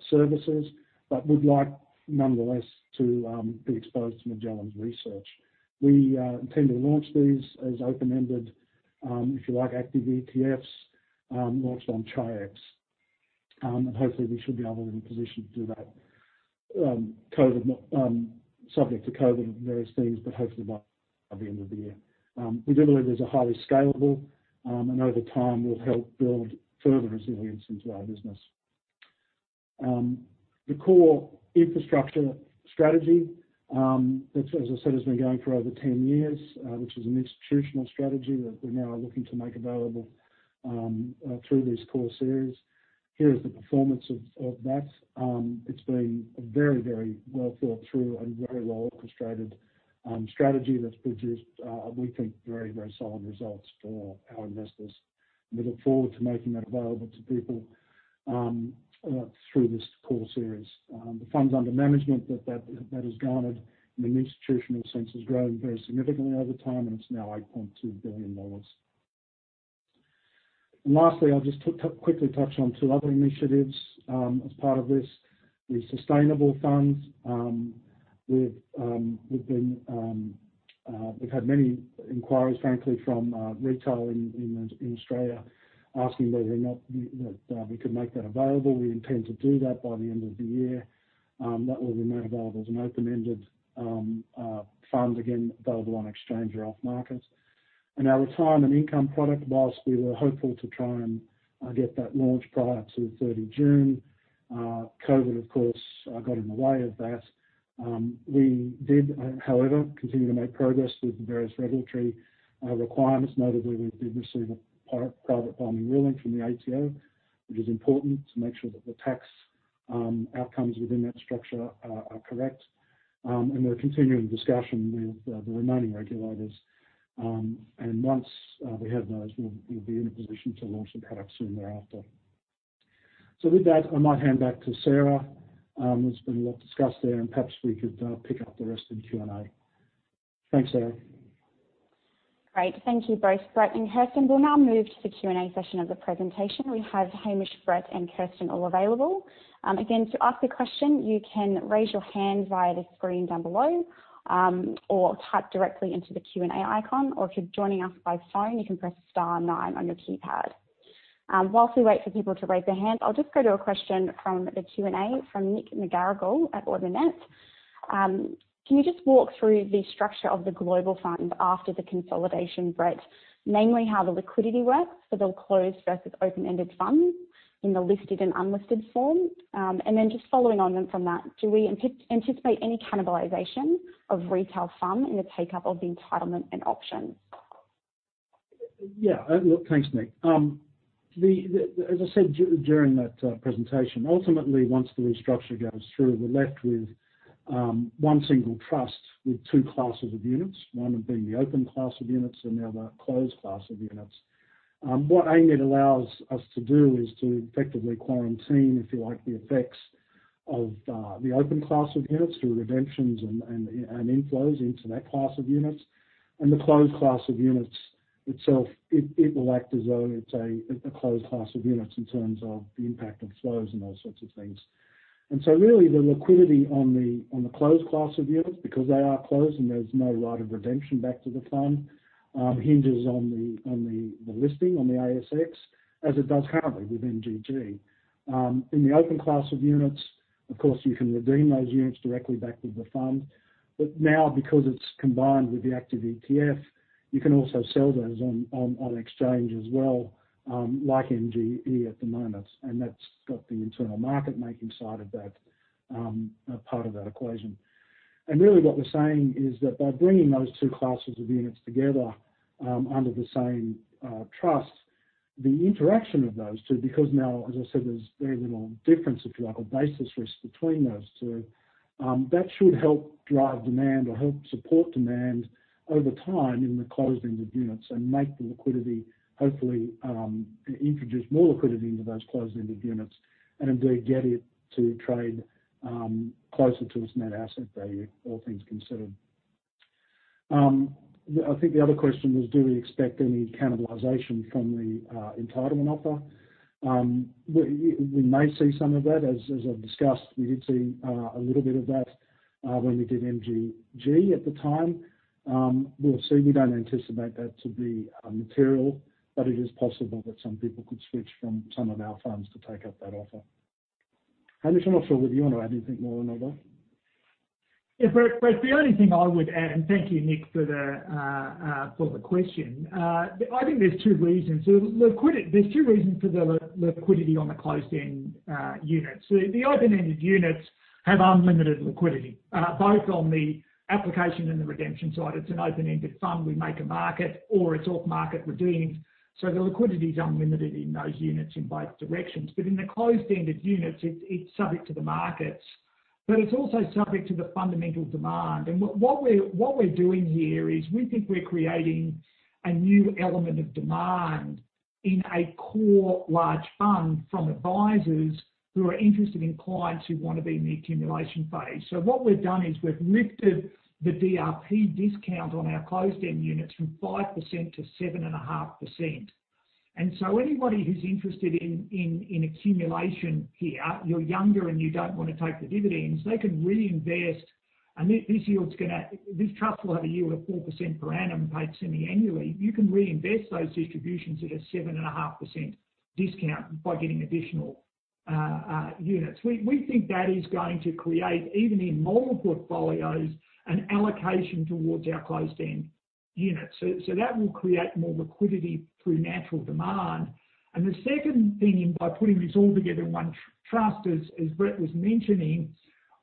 services but would like nonetheless to be exposed to Magellan's research. We intend to launch these as open-ended, if you like, active ETFs, launched on Chi-X. Hopefully we should be able to be in position to do that, subject to COVID and various things, but hopefully by the end of the year. We do believe these are highly scalable, and over time will help build further resilience into our business. The Core Infrastructure Strategy, as I said, has been going for over 10 years, which is an institutional strategy that we now are looking to make available through this Core Series. Here is the performance of that. It's been a very, very well thought through and very well orchestrated strategy that's produced, we think very, very solid results for our investors. We look forward to making that available to people through this Core Series. The funds under management that that has garnered in an institutional sense has grown very significantly over time, and it's now 8.2 billion dollars. Lastly, I'll just quickly touch on two other initiatives. As part of this, the sustainable funds, we've had many inquiries, frankly, from retail in Australia asking whether or not we could make that available. We intend to do that by the end of the year. That will be made available as an open-ended fund, again, available on exchange or off markets. Our retirement income product, whilst we were hopeful to try and get that launched prior to the 30 June, COVID, of course, got in the way of that. We did, however, continue to make progress with the various regulatory requirements. Notably, we did receive a private binding ruling from the ATO, which is important to make sure that the tax outcomes within that structure are correct. We're continuing discussion with the remaining regulators. Once we have those, we'll be in a position to launch the product soon thereafter. With that, I might hand back to Sarah. There's been a lot discussed there, and perhaps we could pick up the rest in Q&A. Thanks, Sarah. Great. Thank you both, Brett and Kirsten. We'll now move to the Q&A session of the presentation. We have Hamish, Brett, and Kirsten all available. Again, to ask a question, you can raise your hand via the screen down below, or type directly into the Q&A icon, or if you're joining us by phone, you can press star nine on your keypad. Whilst we wait for people to raise their hand, I'll just go to a question from the Q&A from Nick McGarrigle at Ord Minnett. Can you just walk through the structure of the global fund after the consolidation, Brett? Namely, how the liquidity works for the closed versus open-ended funds in the listed and unlisted form. Then just following on then from that, do we anticipate any cannibalization of retail FUM in the take-up of the entitlement and options? Yeah. Look, thanks, Nick. As I said during that presentation, ultimately, once the restructure goes through, we're left with one single trust with two classes of units, one being the open class of units and the other closed class of units. What AMIT allows us to do is to effectively quarantine, if you like, the effects of the open class of units through redemptions and inflows into that class of units. The closed class of units itself, it will act as though it's a closed class of units in terms of the impact of flows and all sorts of things. Really, the liquidity on the closed class of units, because they are closed and there's no right of redemption back to the fund, hinges on the listing on the ASX, as it does currently with MGG. In the open class of units, of course, you can redeem those units directly back with the fund. Now because it's combined with the active ETF, you can also sell those on exchange as well, like MGE at the moment. That's got the internal market-making side of that part of that equation. Really what we're saying is that by bringing those two classes of units together under the same trust, the interaction of those two, because now, as I said, there's very little difference, if you like, or basis risk between those two. That should help drive demand or help support demand over time in the closed-ended units and make the liquidity, hopefully, introduce more liquidity into those closed-ended units, and indeed get it to trade closer to its net asset value, all things considered. I think the other question was do we expect any cannibalization from the entitlement offer? We may see some of that. As I've discussed, we did see a little bit of that when we did MGG at the time. We'll see. We don't anticipate that to be material, but it is possible that some people could switch from some of our funds to take up that offer. Hamish, I'm not sure whether you want to add anything more on that? Yeah, Brett, the only thing I would add. Thank you, Nick, for the question. I think there's two reasons. There's two reasons for the liquidity on the closed-end units. The open-ended units have unlimited liquidity, both on the application and the redemption side. It's an open-ended fund. We make a market or it's off-market redeemed, so the liquidity's unlimited in those units in both directions. In the closed-ended units, it's subject to the markets. It's also subject to the fundamental demand. What we're doing here is we think we're creating a new element of demand in a core large fund from advisors who are interested in clients who want to be in the accumulation phase. What we've done is we've lifted the DRP discount on our closed-end units from 5% to 7.5%. Anybody who's interested in accumulation here, you're younger and you don't want to take the dividends, they can reinvest, and this trust will have a yield of 4% per annum paid semi-annually. You can reinvest those distributions at a 7.5% discount by getting additional units. We think that is going to create, even in model portfolios, an allocation towards our closed-end units. That will create more liquidity through natural demand. The second thing, by putting this all together in one trust, as Brett was mentioning,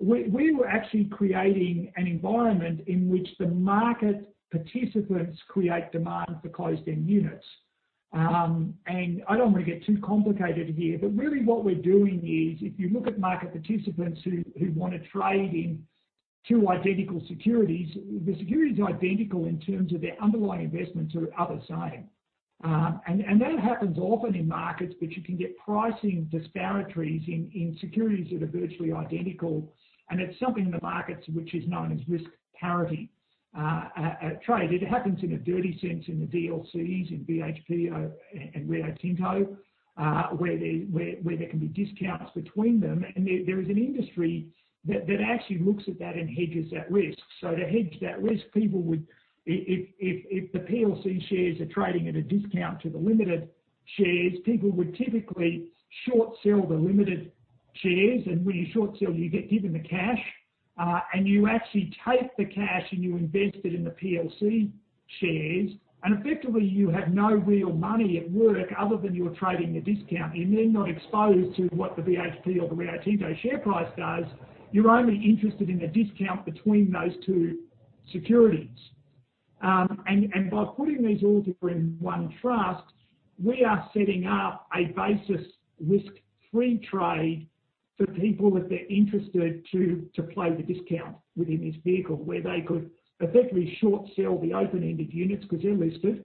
we were actually creating an environment in which the market participants create demand for closed-end units. I don't want to get too complicated here, but really what we're doing is, if you look at market participants who want to trade in two identical securities, the security is identical in terms of their underlying investments are the same. That happens often in markets, but you can get pricing disparities in securities that are virtually identical, and it's something in the markets which is known as risk parity trade. It happens in a dirty sense in the DLCs, in BHP and Rio Tinto, where there can be discounts between them, there is an industry that actually looks at that and hedges that risk. To hedge that risk, if the PLC shares are trading at a discount to the limited shares, people would typically short sell the limited shares. When you short sell, you get given the cash, you actually take the cash and you invest it in the PLC shares, effectively you have no real money at work other than you're trading the discount. You're then not exposed to what the BHP or the Rio Tinto share price does. You're only interested in the discount between those two securities. By putting these all together in one trust, we are setting up a basis risk-free trade for people if they're interested to play the discount within this vehicle, where they could effectively short sell the open-ended units because they're listed.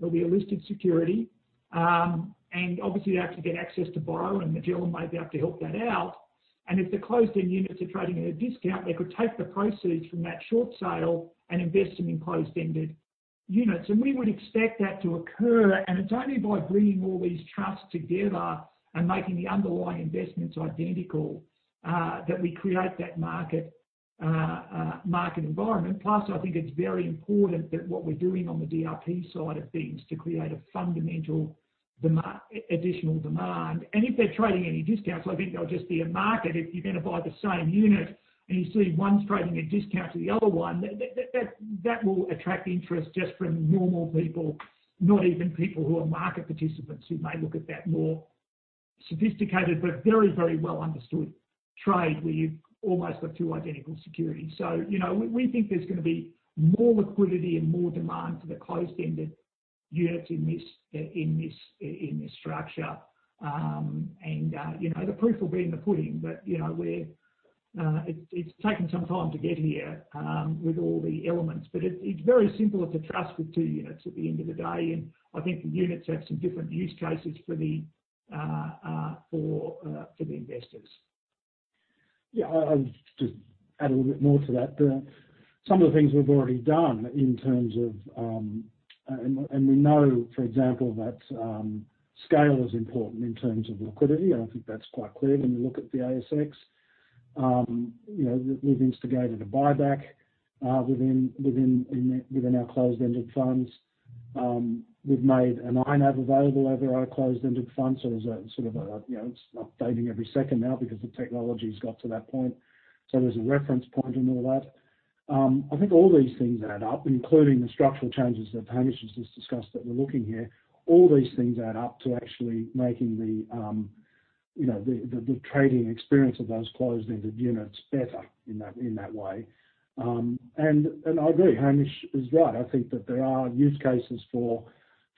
They'll be a listed security. Obviously, they have to get access to borrow, and Magellan may be able to help that out. If the closed-end units are trading at a discount, they could take the proceeds from that short sale and invest them in closed-ended units. We would expect that to occur, and it's only by bringing all these trusts together and making the underlying investments identical, that we create that market environment. I think it's very important that what we're doing on the DRP side of things to create a fundamental additional demand. If they're trading any discounts, I think they'll just be a market. If you're going to buy the same unit and you see one's trading a discount to the other one, that will attract interest just from normal people, not even people who are market participants who may look at that more sophisticated, but very well understood trade where you've almost got two identical securities. We think there's going to be more liquidity and more demand for the closed-ended units in this structure. The proof will be in the pudding. It's taken some time to get here with all the elements. It's very simple. It's a trust with two units at the end of the day. I think the units have some different use cases for the investors. Yeah. I'll just add a little bit more to that there. Some of the things we've already done in terms of we know, for example, that scale is important in terms of liquidity, and I think that's quite clear when you look at the ASX. We've instigated a buyback within our closed-ended funds. We've made an iNAV available over our closed-ended funds. There's a sort of a, it's updating every second now because the technology's got to that point. There's a reference point in all that. I think all these things add up, including the structural changes that Hamish has just discussed that we're looking here. All these things add up to actually making the trading experience of those closed-ended units better in that way. I agree, Hamish is right. I think that there are use cases for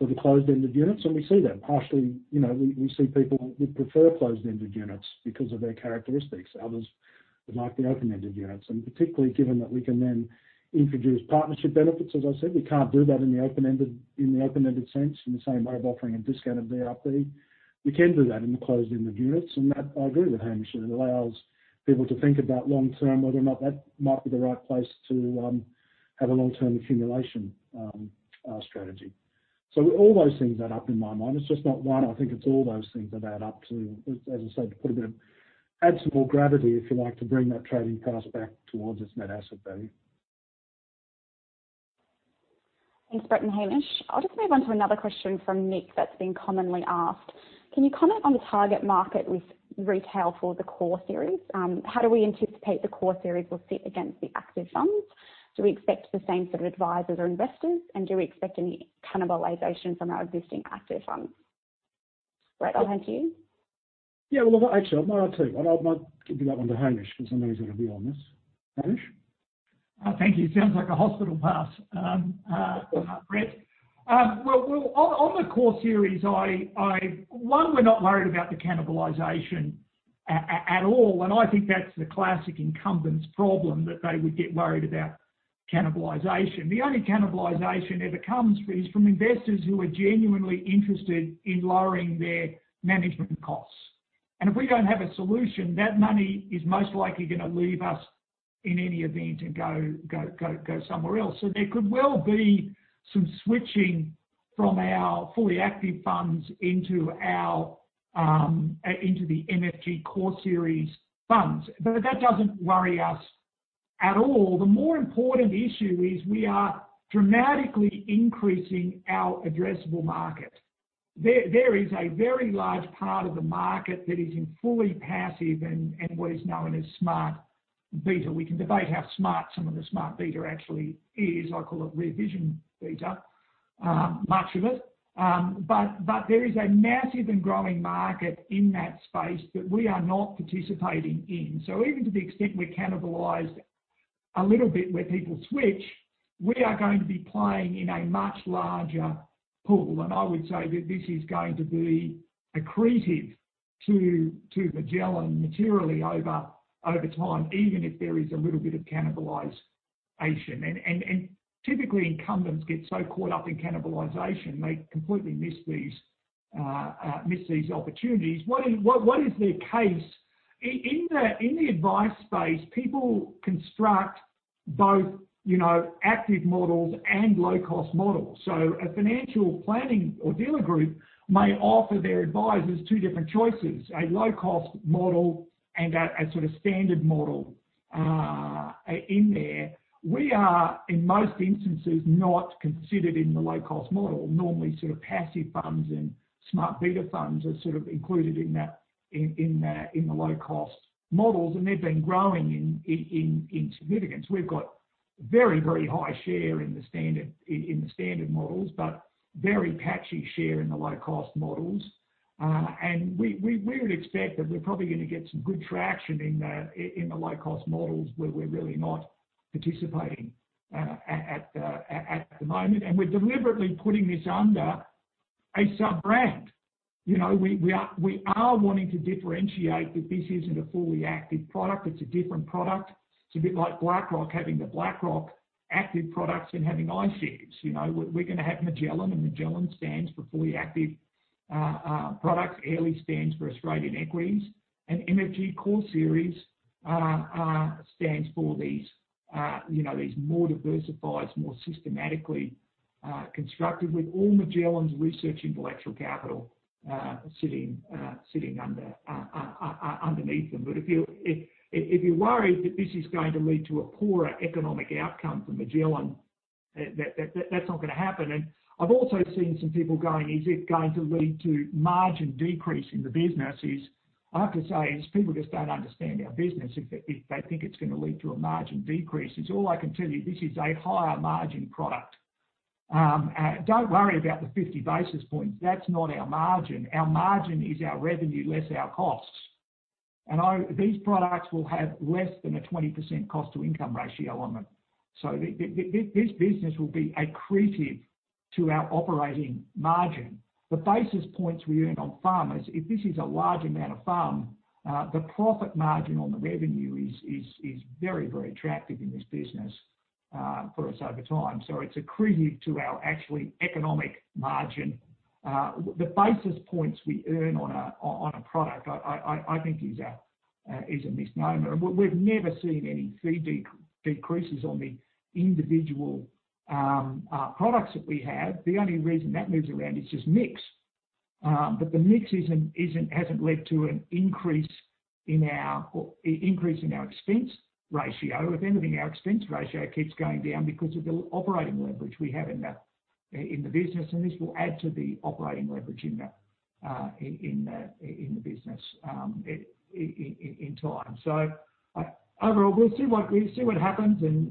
the closed-ended units, and we see that. Partially, we see people who prefer closed-ended units because of their characteristics. Others would like the open-ended units. Particularly given that we can then introduce partnership benefits, as I said. We can't do that in the open-ended sense, in the same way of offering a discounted DRP. We can do that in the closed-ended units. That, I agree with Hamish, it allows people to think about long-term, whether or not that might be the right place to have a long-term accumulation strategy. All those things add up in my mind. It's just not one, I think it's all those things that add up to, as I said, to add some more gravity, if you like, to bring that trading price back towards its net asset value. Thanks, Brett and Hamish. I'll just move on to another question from Nick that's been commonly asked. Can you comment on the target market with retail for the Core Series? How do we anticipate the Core Series will sit against the active funds? Do we expect the same sort of advisers or investors? Do we expect any cannibalization from our existing active funds? Brett, I'll hand to you. Yeah. Well, look, actually, no, I'll take it. I might give that one to Hamish because I know he's going to be on this. Hamish? Thank you. Sounds like a hospital pass, Brett Cairns. On the Core Series, one, we're not worried about the cannibalization at all. I think that's the classic incumbents problem that they would get worried about cannibalization. The only cannibalization ever comes is from investors who are genuinely interested in lowering their management costs. If we don't have a solution, that money is most likely going to leave us in any event and go somewhere else. There could well be some switching from our fully active funds into the MFG Core Series funds. That doesn't worry us at all. The more important issue is we are dramatically increasing our addressable market. There is a very large part of the market that is in fully passive and what is known as smart beta. We can debate how smart some of the smart beta actually is. I call it revision beta, much of it. There is a massive and growing market in that space that we are not participating in. Even to the extent we're cannibalized a little bit where people switch, we are going to be playing in a much larger pool. I would say that this is going to be accretive to Magellan materially over time, even if there is a little bit of cannibalization. Typically, incumbents get so caught up in cannibalization, they completely miss these opportunities. What is their case? In the advice space, people construct both active models and low-cost models. A financial planning or dealer group may offer their advisers two different choices, a low-cost model and a sort of standard model in there. We are, in most instances, not considered in the low-cost model. Normally sort of passive funds and smart beta funds are sort of included in the low-cost models, and they've been growing in significance. We've got very high share in the standard models, but very patchy share in the low-cost models. We would expect that we're probably going to get some good traction in the low-cost models where we're really not participating at the moment. We're deliberately putting this under a sub-brand. We are wanting to differentiate that this isn't a fully active product, it's a different product. It's a bit like BlackRock having the BlackRock active products and having iShares. We're going to have Magellan, and Magellan stands for fully active products. Airlie stands for Australian equities, and MFG Core Series stands for these more diversified, more systematically constructed, with all Magellan's research intellectual capital sitting underneath them. If you're worried that this is going to lead to a poorer economic outcome for Magellan, that's not going to happen. I've also seen some people going, is it going to lead to margin decrease in the business? I have to say, these people just don't understand our business if they think it's going to lead to a margin decrease. All I can tell you, this is a higher margin product. Don't worry about the 50 basis points. That's not our margin. Our margin is our revenue less our costs. These products will have less than a 20% cost-to-income ratio on them. This business will be accretive to our operating margin. The basis points we earn on FUM, if this is a large amount of FUM, the profit margin on the revenue is very attractive in this business for us over time. It's accretive to our actually economic margin. The basis points we earn on a product, I think is a misnomer. We've never seen any fee decreases on the individual products that we have. The only reason that moves around is just mix. The mix hasn't led to an increase in our expense ratio. If anything, our expense ratio keeps going down because of the operating leverage we have in the business, and this will add to the operating leverage in the business in time. Overall, we'll see what happens and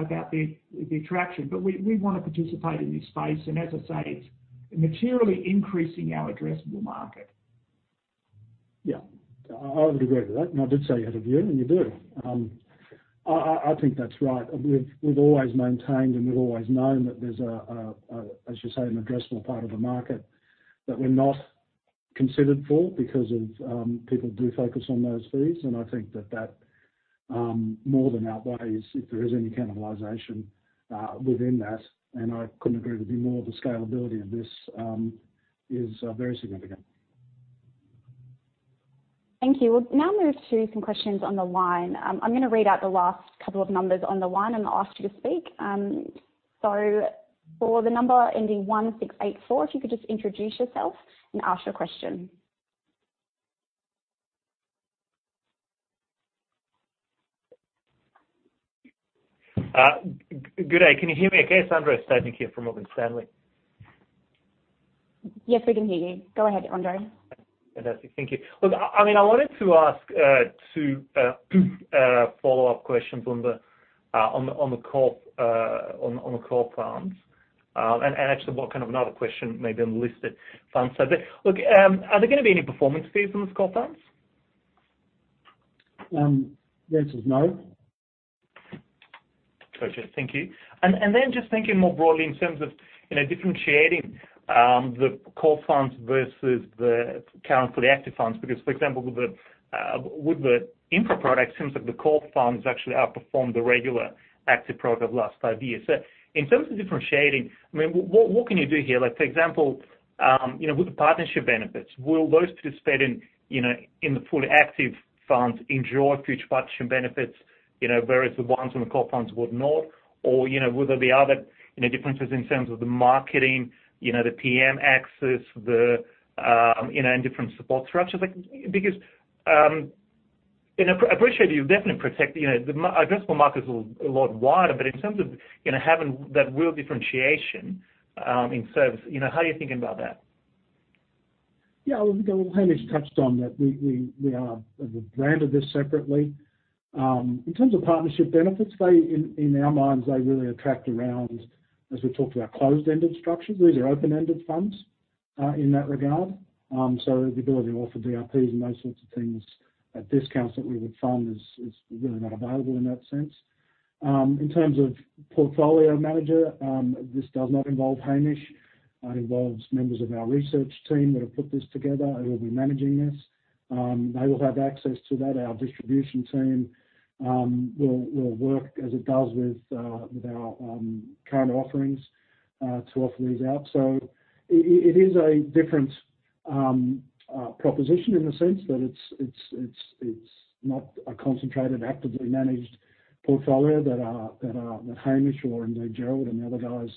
about the attraction. We want to participate in this space. As I say, it's materially increasing our addressable market. Yeah. I would agree with that. I did say you had a view, and you do. I think that's right. We've always maintained, and we've always known that there's a, as you say, an addressable part of the market that we're not considered for because of people do focus on those fees, and I think that that more than outweighs if there is any cannibalization within that, and I couldn't agree with you more. The scalability of this is very significant. Thank you. We'll now move to some questions on the line. I am going to read out the last couple of numbers on the line and ask you to speak. For the number ending 1684, if you could just introduce yourself and ask your question. Good day. Can you hear me okay? Andrei Stadnik here from Morgan Stanley. Yes, we can hear you. Go ahead, Andrei. Fantastic. Thank you. Look, I wanted to ask two follow-up questions on the core plans. Actually what kind of another question maybe on the listed funds. Look, are there going to be any performance fees on those core plans? The answer is no. Got you. Thank you. Just thinking more broadly in terms of differentiating the core funds versus the active funds, because, for example, with the infra product, it seems like the core funds actually outperformed the regular active product of last five years. In terms of differentiating, what can you do here? Like, for example, with the partnership benefits, will those participating in the fully active funds enjoy future participation benefits, whereas the ones on the core funds would not? Will there be other differences in terms of the marketing, the PM access, and different support structures? I appreciate you definitely project the addressable market is a lot wider, but in terms of having that real differentiation in service, how are you thinking about that? Yeah, look, Hamish touched on that we've branded this separately. In terms of partnership benefits, in our minds, they really attract around, as we talked about, closed-ended structures. These are open-ended funds in that regard. The ability to offer DRPs and those sorts of things at discounts that we would fund is really not available in that sense. In terms of portfolio manager, this does not involve Hamish. It involves members of our research team that have put this together and will be managing this. They will have access to that. Our distribution team will work as it does with our current offerings to offer these out. It is a different proposition in the sense that it's not a concentrated, actively managed portfolio that Hamish or indeed Gerald and the other guys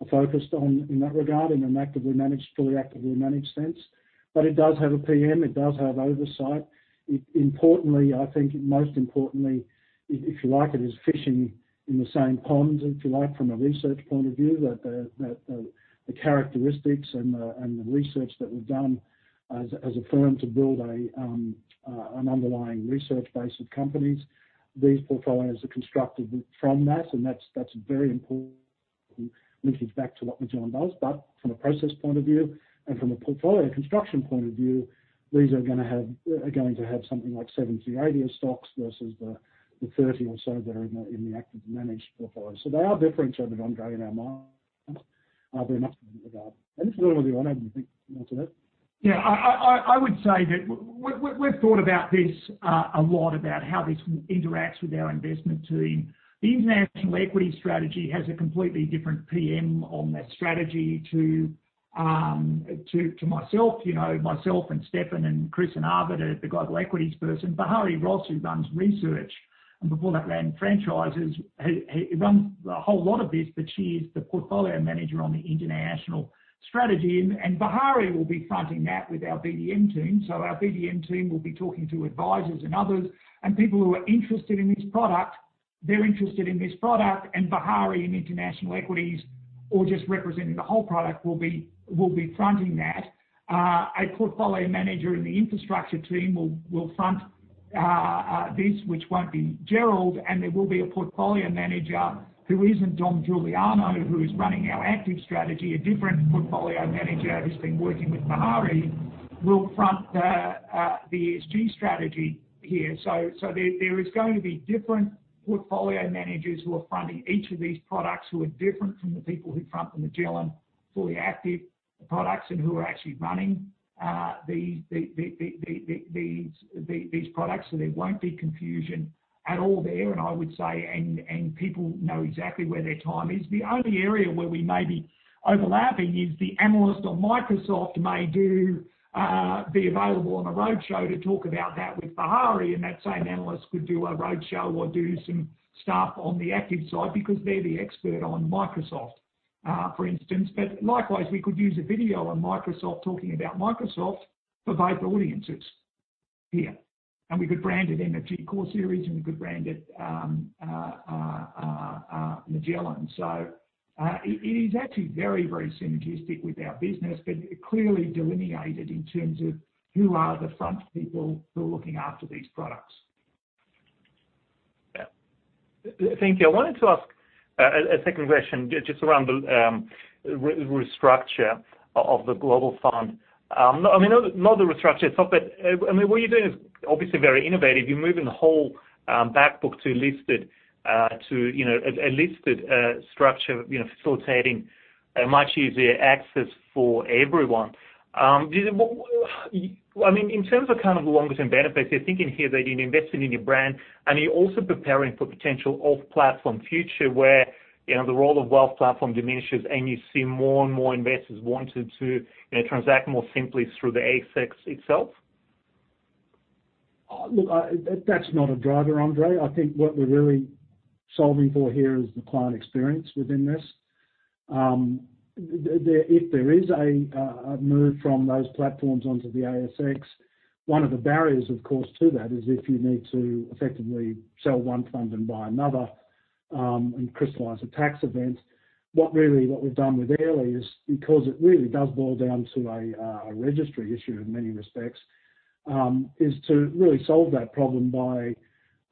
are focused on in that regard, in an actively managed, fully actively managed sense. It does have a PM, it does have oversight. Importantly, I think most importantly, if you like, it is fishing in the same pond, if you like, from a research point of view. The characteristics and the research that we've done as a firm to build an underlying research base of companies, these portfolios are constructed from that, and that's very important linkage back to what Magellan does. From a process point of view and from a portfolio construction point of view, these are going to have something like 70 or 80 stocks versus the 30 or so that are in the actively managed portfolio. They are different, Andrei, in our minds, but enough in that regard. If you want to, Hamish, add anything more to that. Yeah, I would say that we've thought about this a lot, about how this interacts with our investment team. The International Equity strategy has a completely different PM on that strategy to myself, Stefan and Chris and Arvid, the Global Equities person. Vihari Ross, who runs Research, and before that ran franchises, he runs a whole lot of this, but she is the Portfolio Manager on the International strategy. Vihari will be fronting that with our BDM team. Our BDM team will be talking to advisors and others, and people who are interested in this product, and Vihari in International Equities or just representing the whole product will be fronting that. A Portfolio Manager in the Infrastructure team will front this, which won't be Gerald, and there will be a Portfolio Manager who isn't Dom Giuliano, who is running our active strategy. A different portfolio manager who's been working with Vihari will front the ESG strategy here. There is going to be different portfolio managers who are fronting each of these products, who are different from the people who front the Magellan fully active products and who are actually running these products, there won't be confusion at all there, and I would say, people know exactly where their time is. The only area where we may be overlapping is the analyst on Microsoft may be available on a roadshow to talk about that with Vihari, and that same analyst could do a roadshow or do some stuff on the active side because they're the expert on Microsoft, for instance. Likewise, we could use a video on Microsoft talking about Microsoft for both audiences here, and we could brand it ESG Core Series, and we could brand it Magellan. It is actually very, very synergistic with our business, but clearly delineated in terms of who are the front people who are looking after these products. Thank you. I wanted to ask a second question just around the restructure of the Global Fund. Not the restructure itself, but what you're doing is obviously very innovative. You're moving the whole back book to a listed structure, facilitating a much easier access for everyone. In terms of the long-term benefits, you're thinking here that you're investing in your brand and you're also preparing for potential off-platform future where the role of wealth platform diminishes and you see more and more investors wanting to transact more simply through the ASX itself? That's not a driver, Andrei. I think what we're really solving for here is the client experience within this. If there is a move from those platforms onto the ASX, one of the barriers, of course, to that is if you need to effectively sell one fund and buy another, and crystallize a tax event. What we've done with Airlie is, because it really does boil down to a registry issue in many respects, is to really solve that problem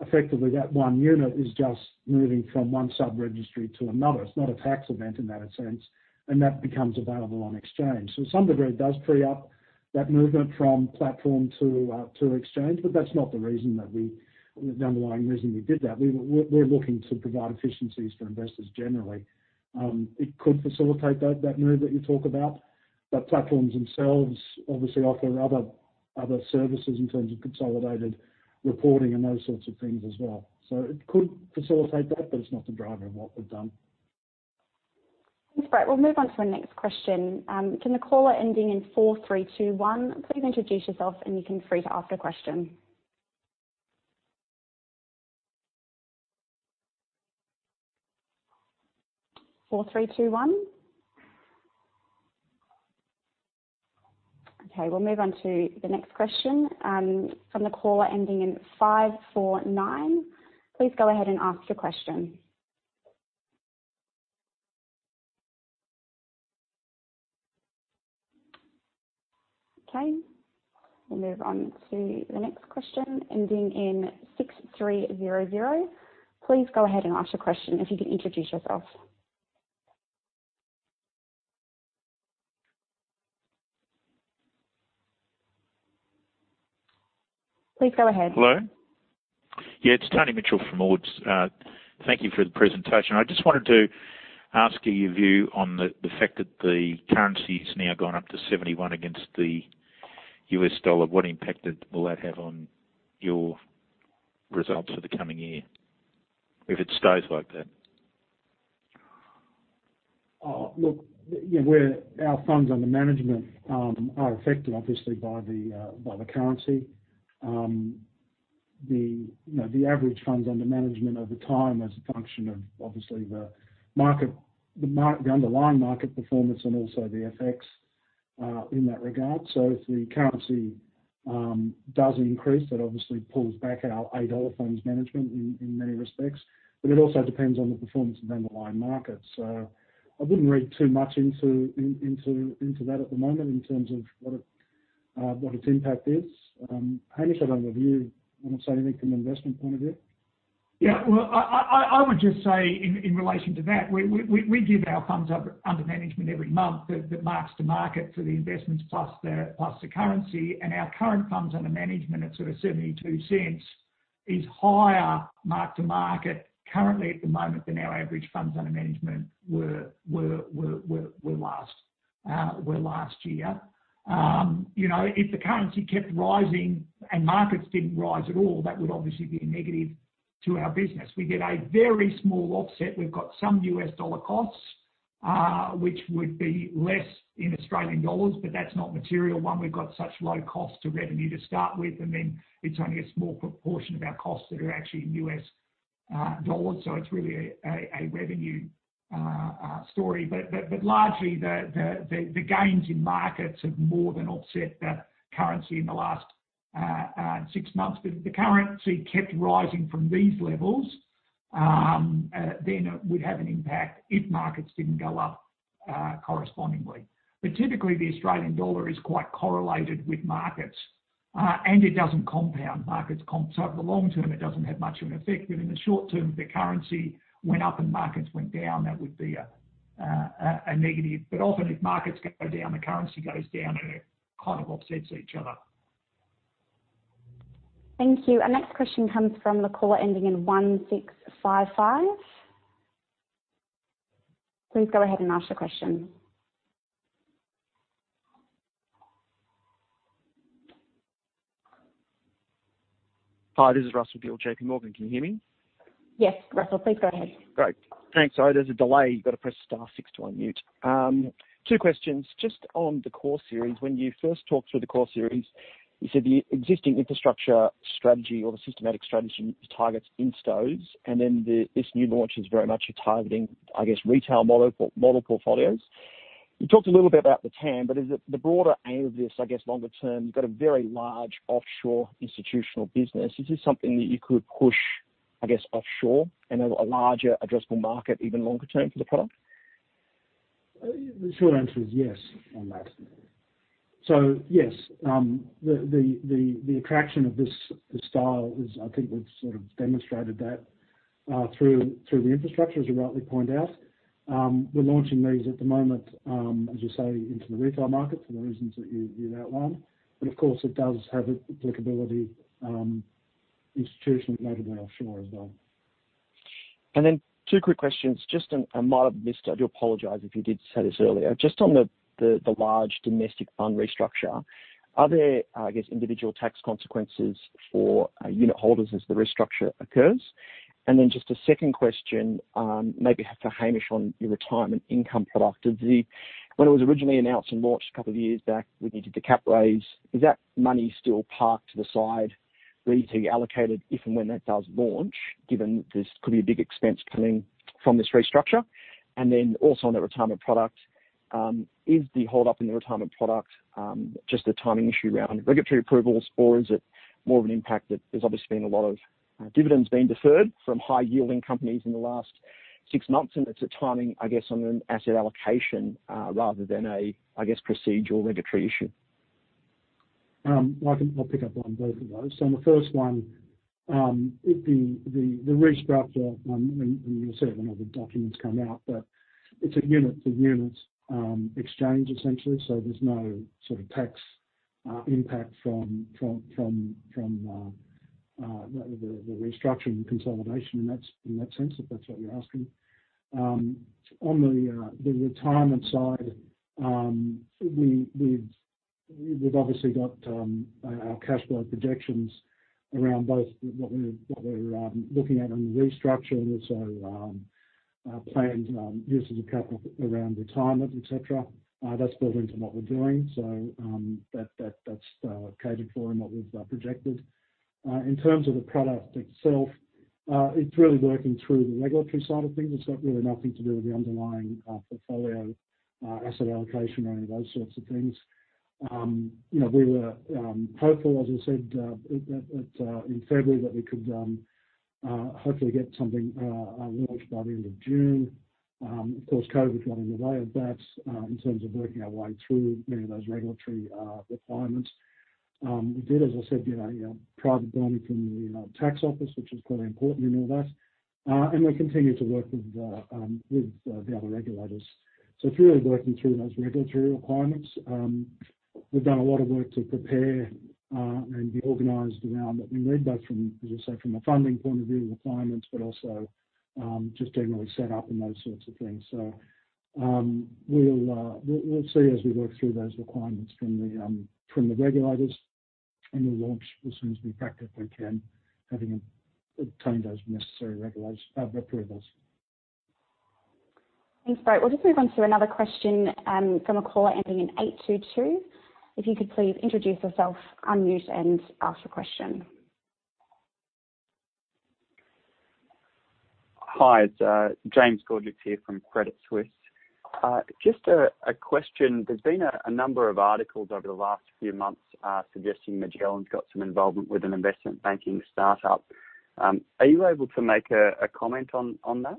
by effectively that one unit is just moving from one sub-registry to another. It's not a tax event in that sense, and that becomes available on exchange. To some degree, it does free up that movement from platform to exchange, but that's not the underlying reason we did that. We're looking to provide efficiencies for investors generally. It could facilitate that move that you talk about, but platforms themselves obviously offer other services in terms of consolidated reporting and those sorts of things as well. It could facilitate that, but it's not the driver of what we've done. Thanks. Great. We'll move on to our next question. Can the caller ending in 4321 please introduce yourself and you can feel free to ask a question. 4321? Okay, we'll move on to the next question. From the caller ending in 549, please go ahead and ask your question. Okay, we'll move on to the next question ending in 6300. Please go ahead and ask your question if you can introduce yourself. Please go ahead. Hello? Yeah, it's Tony Mitchell from [Ausbil]. Thank you for the presentation. I just wanted to ask your view on the fact that the currency's now gone up to 71 against the US dollar. What impact will that have on your results for the coming year if it stays like that? Look, our funds under management are affected obviously by the currency. The average funds under management over time as a function of obviously the underlying market performance and also the FX in that regard. If the currency does increase, that obviously pulls back our funds management in many respects, but it also depends on the performance of underlying markets. I wouldn't read too much into that at the moment in terms of what its impact is. Hamish, I don't know if you want to say anything from an investment point of view? Well, I would just say in relation to that, we give our funds under management every month the marks to market for the investments plus the currency, and our current funds under management at 0.72 is higher mark to market currently at the moment than our average funds under management were last year. If the currency kept rising and markets didn't rise at all, that would obviously be a negative to our business. We get a very small offset. We've got some US dollar costs, which would be less in AUD, but that's not material, one, we've got such low cost to revenue to start with, and then it's only a small proportion of our costs that are actually in US dollars, it's really a revenue story. Largely, the gains in markets have more than offset the currency in the last six months. If the currency kept rising from these levels. It would have an impact if markets didn't go up correspondingly. Typically, the Australian dollar is quite correlated with markets, and it doesn't compound. Markets compound. Over the long term, it doesn't have much of an effect. In the short term, if the currency went up and markets went down, that would be a negative. Often if markets go down, the currency goes down and it kind of offsets each other. Thank you. Our next question comes from the caller ending in 1655. Please go ahead and ask the question. Hi, this is Russell Gill, JPMorgan. Can you hear me? Yes, Russell, please go ahead. Great. Thanks. Sorry, there's a delay. You've got to press star six to unmute. Two questions. Just on the Core Series, when you first talked through the Core Series, you said the existing infrastructure strategy or the systematic strategy targets instos, and then this new launch is very much targeting, I guess, retail model portfolios. You talked a little bit about the TAM, is it the broader aim of this, I guess, longer term? You've got a very large offshore institutional business. Is this something that you could push, I guess, offshore and a larger addressable market even longer term for the product? The short answer is yes on that. Yes, the attraction of this style is I think we've sort of demonstrated that through the infrastructure, as you rightly point out. We're launching these at the moment, as you say, into the retail market for the reasons that you've outlined. Of course, it does have applicability institutionally, notably offshore as well. Two quick questions, just, and I might have missed, I do apologize if you did say this earlier, just on the large domestic fund restructure. Are there, I guess, individual tax consequences for unit holders as the restructure occurs? Just a second question, maybe for Hamish on your retirement income product. When it was originally announced and launched a couple of years back, we did the cap raise. Is that money still parked to the side, ready to be allocated if and when that does launch, given this could be a big expense coming from this restructure? Also on the retirement product, is the hold-up in the retirement product just a timing issue around regulatory approvals, or is it more of an impact that there's obviously been a lot of dividends being deferred from high-yielding companies in the last six months, and it's a timing, I guess, on an asset allocation rather than a, I guess, procedural regulatory issue? I'll pick up on both of those. On the first one, the restructure, and you'll see it when all the documents come out, but it's a unit-to-unit exchange, essentially. There's no sort of tax impact from the restructure and consolidation in that sense, if that's what you're asking. On the retirement side, we've obviously got our cash flow projections around both what we're looking at on the restructure and also our planned uses of capital around retirement, et cetera. That's built into what we're doing. That's catered for and what we've projected. In terms of the product itself, it's really working through the regulatory side of things. It's got really nothing to do with the underlying portfolio asset allocation or any of those sorts of things. We were hopeful, as I said, in February, that we could hopefully get something launched by the end of June. COVID got in the way of that in terms of working our way through many of those regulatory requirements. We did, as I said, get a private binding from the Tax Office, which was quite important in all that. We continue to work with the other regulators. It's really working through those regulatory requirements. We've done a lot of work to prepare and be organized around what we need, both from, as I say, from a funding point of view and requirements, also just generally set up and those sorts of things. We'll see as we work through those requirements from the regulators. We'll launch as soon as we practically can, having obtained those necessary approvals. Thanks. Great. We'll just move on to another question from a caller ending in eight two two. If you could please introduce yourself, unmute, and ask the question. Hi, it's James Gottlieb here from Credit Suisse. Just a question. There's been a number of articles over the last few months suggesting Magellan's got some involvement with an investment banking startup. Are you able to make a comment on that?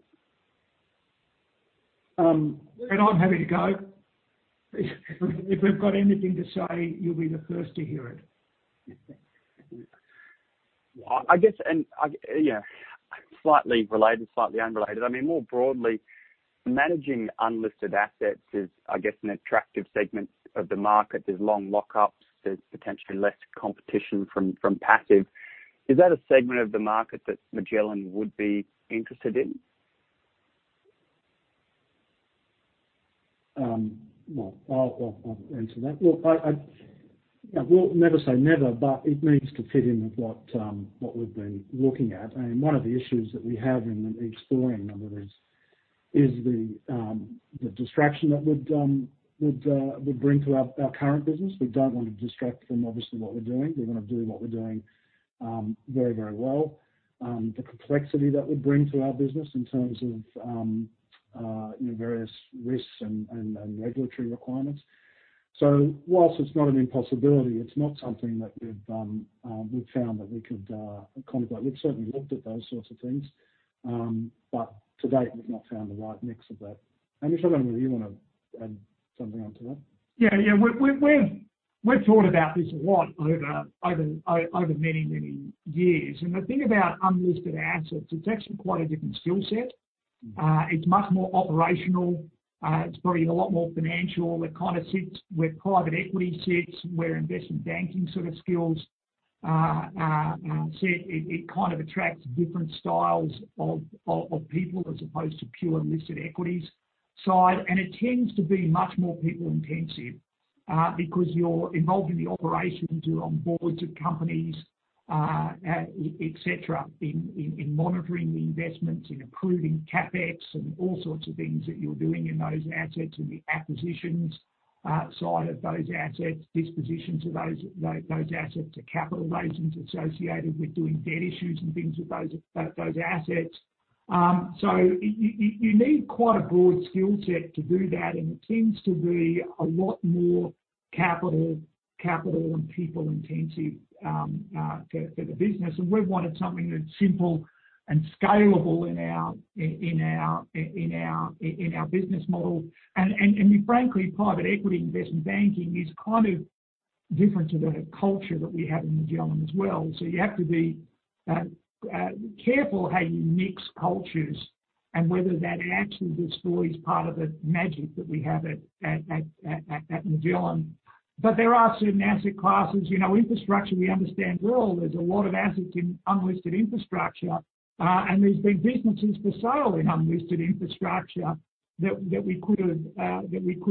I'm happy to go. If we've got anything to say, you'll be the first to hear it. I guess, slightly related, slightly unrelated. I mean, more broadly, managing unlisted assets is, I guess, an attractive segment of the market. There's long lockups, there's potentially less competition from passive. Is that a segment of the market that Magellan would be interested in? Well, I'll answer that. Look, we'll never say never, but it needs to fit in with what we've been looking at. One of the issues that we have in exploring a number of these is the distraction that would bring to our current business. We don't want to distract from obviously what we're doing. We want to do what we're doing very, very well. The complexity that would bring to our business in terms of various risks and regulatory requirements. Whilst it's not an impossibility, it's not something that we've found that we could contemplate. We've certainly looked at those sorts of things, but to date, we've not found the right mix of that. Hamish, I don't know whether you want to add something onto that. Yeah. We've thought about this a lot over many, many years. The thing about unlisted assets, it's actually quite a different skill set. It's much more operational. It's probably a lot more financial. It kind of sits where private equity sits, where investment banking sort of skills sit. It kind of attracts different styles of people as opposed to pure unlisted equities side. It tends to be much more people-intensive because you're involved in the operations, you're on boards of companies, et cetera, in monitoring the investments, in approving CapEx and all sorts of things that you're doing in those assets and the acquisitions side of those assets, dispositions of those assets to capital raisings associated with doing debt issues and things with those assets. You need quite a broad skill set to do that, and it tends to be a lot more capital and people-intensive for the business. We wanted something that's simple and scalable in our business model. Frankly, private equity investment banking is kind of different to the culture that we have in Magellan as well. You have to be careful how you mix cultures and whether that actually destroys part of the magic that we have at Magellan. There are certain asset classes, infrastructure we understand well. There's a lot of assets in unlisted infrastructure, and there's been businesses for sale in unlisted infrastructure that we could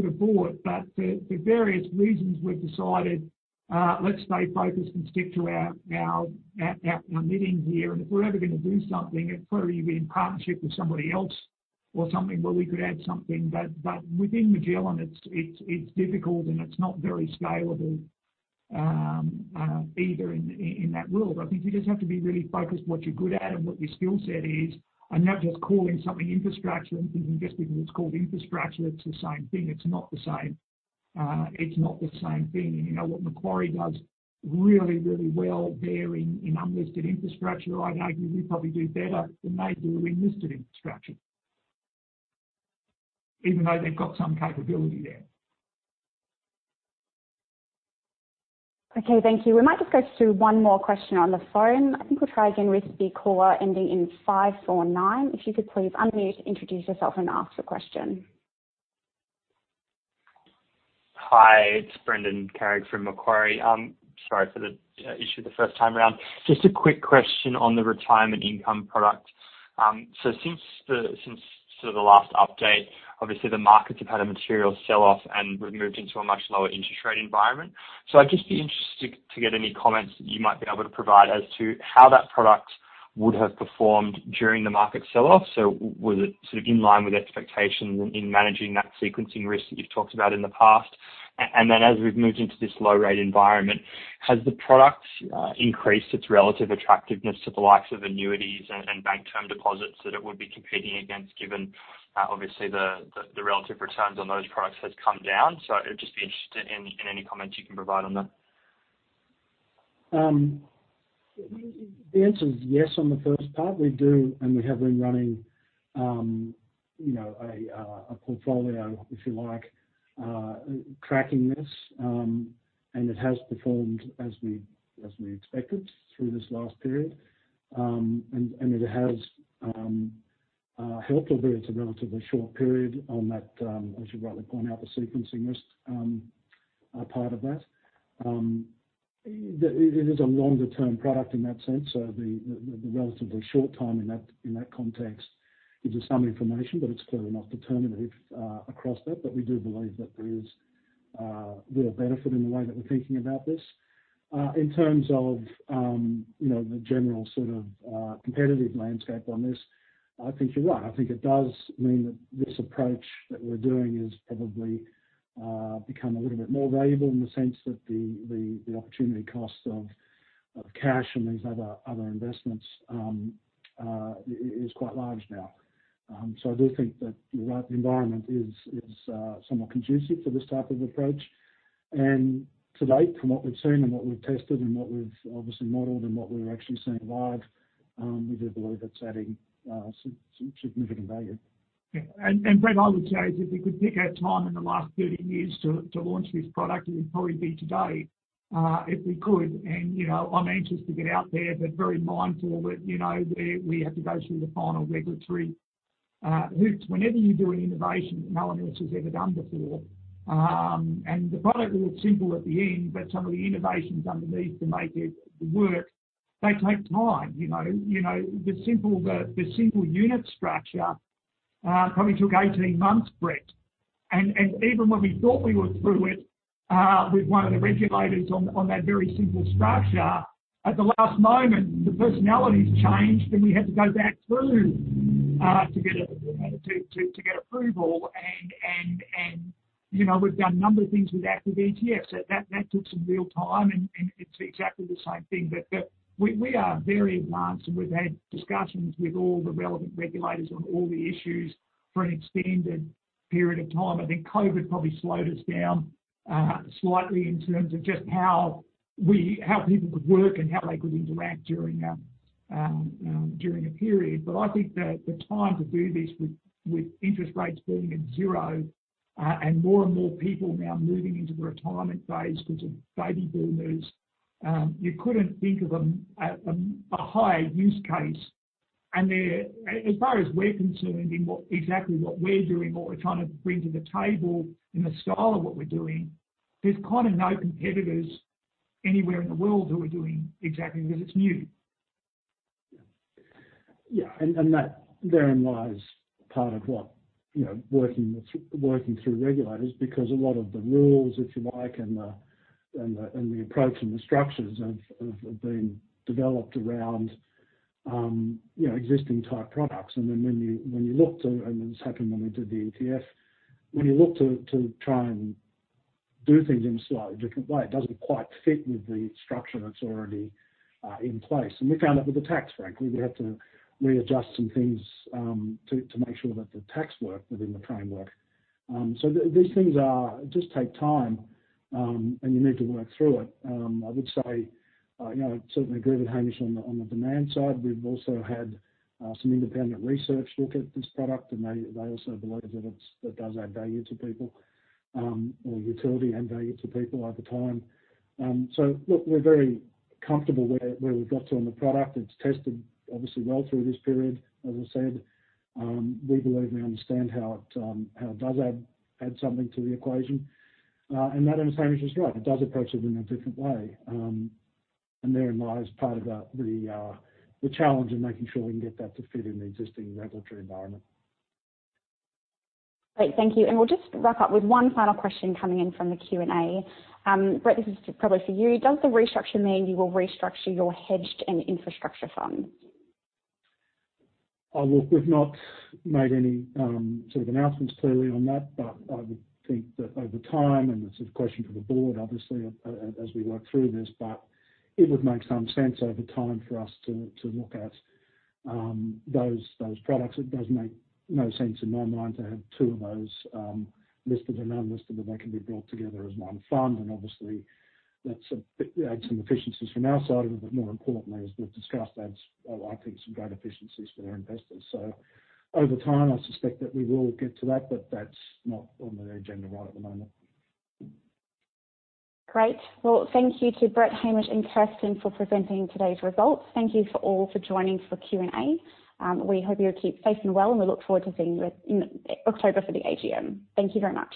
have bought. For various reasons, we've decided, let's stay focused and stick to our knitting here. If we're ever going to do something, it'd probably be in partnership with somebody else or something where we could add something. Within Magellan, it's difficult and it's not very scalable either in that world. I think you just have to be really focused what you're good at and what your skill set is, and not just calling something infrastructure and thinking just because it's called infrastructure, it's the same thing. It's not the same thing. What Macquarie does really, really well there in unlisted infrastructure, I'd argue we probably do better than they do in listed infrastructure. Even though they've got some capability there. Okay, thank you. We might just go to one more question on the phone. I think we'll try again with the caller ending in 549. If you could please unmute, introduce yourself, and ask the question. Hi, it's Brendan Carrig from Macquarie. Sorry for the issue the first time around. Just a quick question on the retirement income product. Since the last update, obviously the markets have had a material sell-off and we've moved into a much lower interest rate environment. I'd just be interested to get any comments that you might be able to provide as to how that product would have performed during the market sell-off. Was it sort of in line with expectations in managing that sequencing risk that you've talked about in the past? As we've moved into this low-rate environment, has the product increased its relative attractiveness to the likes of annuities and bank term deposits that it would be competing against, given obviously the relative returns on those products has come down? I'd just be interested in any comments you can provide on that. The answer is yes on the first part. We do, we have been running a portfolio, if you like, tracking this. It has performed as we expected through this last period. It has helped, although it's a relatively short period on that, as you rightly point out, the sequencing risk part of that. It is a longer-term product in that sense. The relatively short time in that context gives us some information, but it's clearly not determinative across that. We do believe that there is real benefit in the way that we're thinking about this. In terms of the general sort of competitive landscape on this, I think you're right. I think it does mean that this approach that we're doing has probably become a little bit more valuable in the sense that the opportunity cost of cash and these other investments is quite large now. I do think that you're right, the environment is somewhat conducive to this type of approach. To date, from what we've seen and what we've tested and what we've obviously modeled and what we're actually seeing live, we do believe it's adding some significant value. Yeah. Brett, I would say is if we could pick our time in the last 30 years to launch this product, it would probably be today if we could. I'm anxious to get out there, but very mindful that we have to go through the final regulatory hoops. Whenever you do an innovation that no one else has ever done before, the product looks simple at the end, some of the innovations underneath to make it work, they take time. The simple unit structure probably took 18 months, Brett. Even when we thought we were through it with one of the regulators on that very simple structure, at the last moment, the personalities changed, we had to go back through to get approval. We've done a number of things with active ETFs. That took some real time, it's exactly the same thing. We are very advanced, and we've had discussions with all the relevant regulators on all the issues for an extended period of time. I think COVID probably slowed us down slightly in terms of just how people could work and how they could interact during the period. I think that the time to do this, with interest rates being at zero and more and more people now moving into the retirement phase because of baby boomers, you couldn't think of a higher use case. As far as we're concerned in exactly what we're doing, what we're trying to bring to the table, and the style of what we're doing, there's kind of no competitors anywhere in the world who are doing exactly, because it's new. Yeah. Therein lies part of working through regulators, because a lot of the rules, if you like, and the approach and the structures have been developed around existing type products. When you look to, and this happened when we did the ETF, when you look to try and do things in a slightly different way, it doesn't quite fit with the structure that's already in place. We found that with the tax, frankly. We had to readjust some things to make sure that the tax worked within the framework. These things just take time, and you need to work through it. I would say, I certainly agree with Hamish on the demand side. We've also had some independent research look at this product, and they also believe that it does add value to people, or utility and value to people over time. Look, we're very comfortable where we've got to on the product. It's tested obviously well through this period. As I said, we believe we understand how it does add something to the equation. That understanding is right; it does approach it in a different way. Therein lies part of the challenge in making sure we can get that to fit in the existing regulatory environment. Great, thank you. We'll just wrap up with one final question coming in from the Q&A. Brett, this is probably for you: Does the restructure mean you will restructure your hedged and Infrastructure Fund? Look, we've not made any sort of announcements clearly on that, I would think that over time, it's a question for the board obviously as we work through this, it would make some sense over time for us to look at those products. It does make no sense in my mind to have two of those listed and unlisted when they can be brought together as one fund. Obviously that adds some efficiencies from our side of it, more importantly, as we've discussed, adds I think some great efficiencies for our investors. Over time, I suspect that we will get to that's not on the agenda right at the moment. Great. Well, thank you to Brett, Hamish, and Kirsten for presenting today's results. Thank you all for joining for Q&A. We hope you keep safe and well, and we look forward to seeing you in October for the AGM. Thank you very much.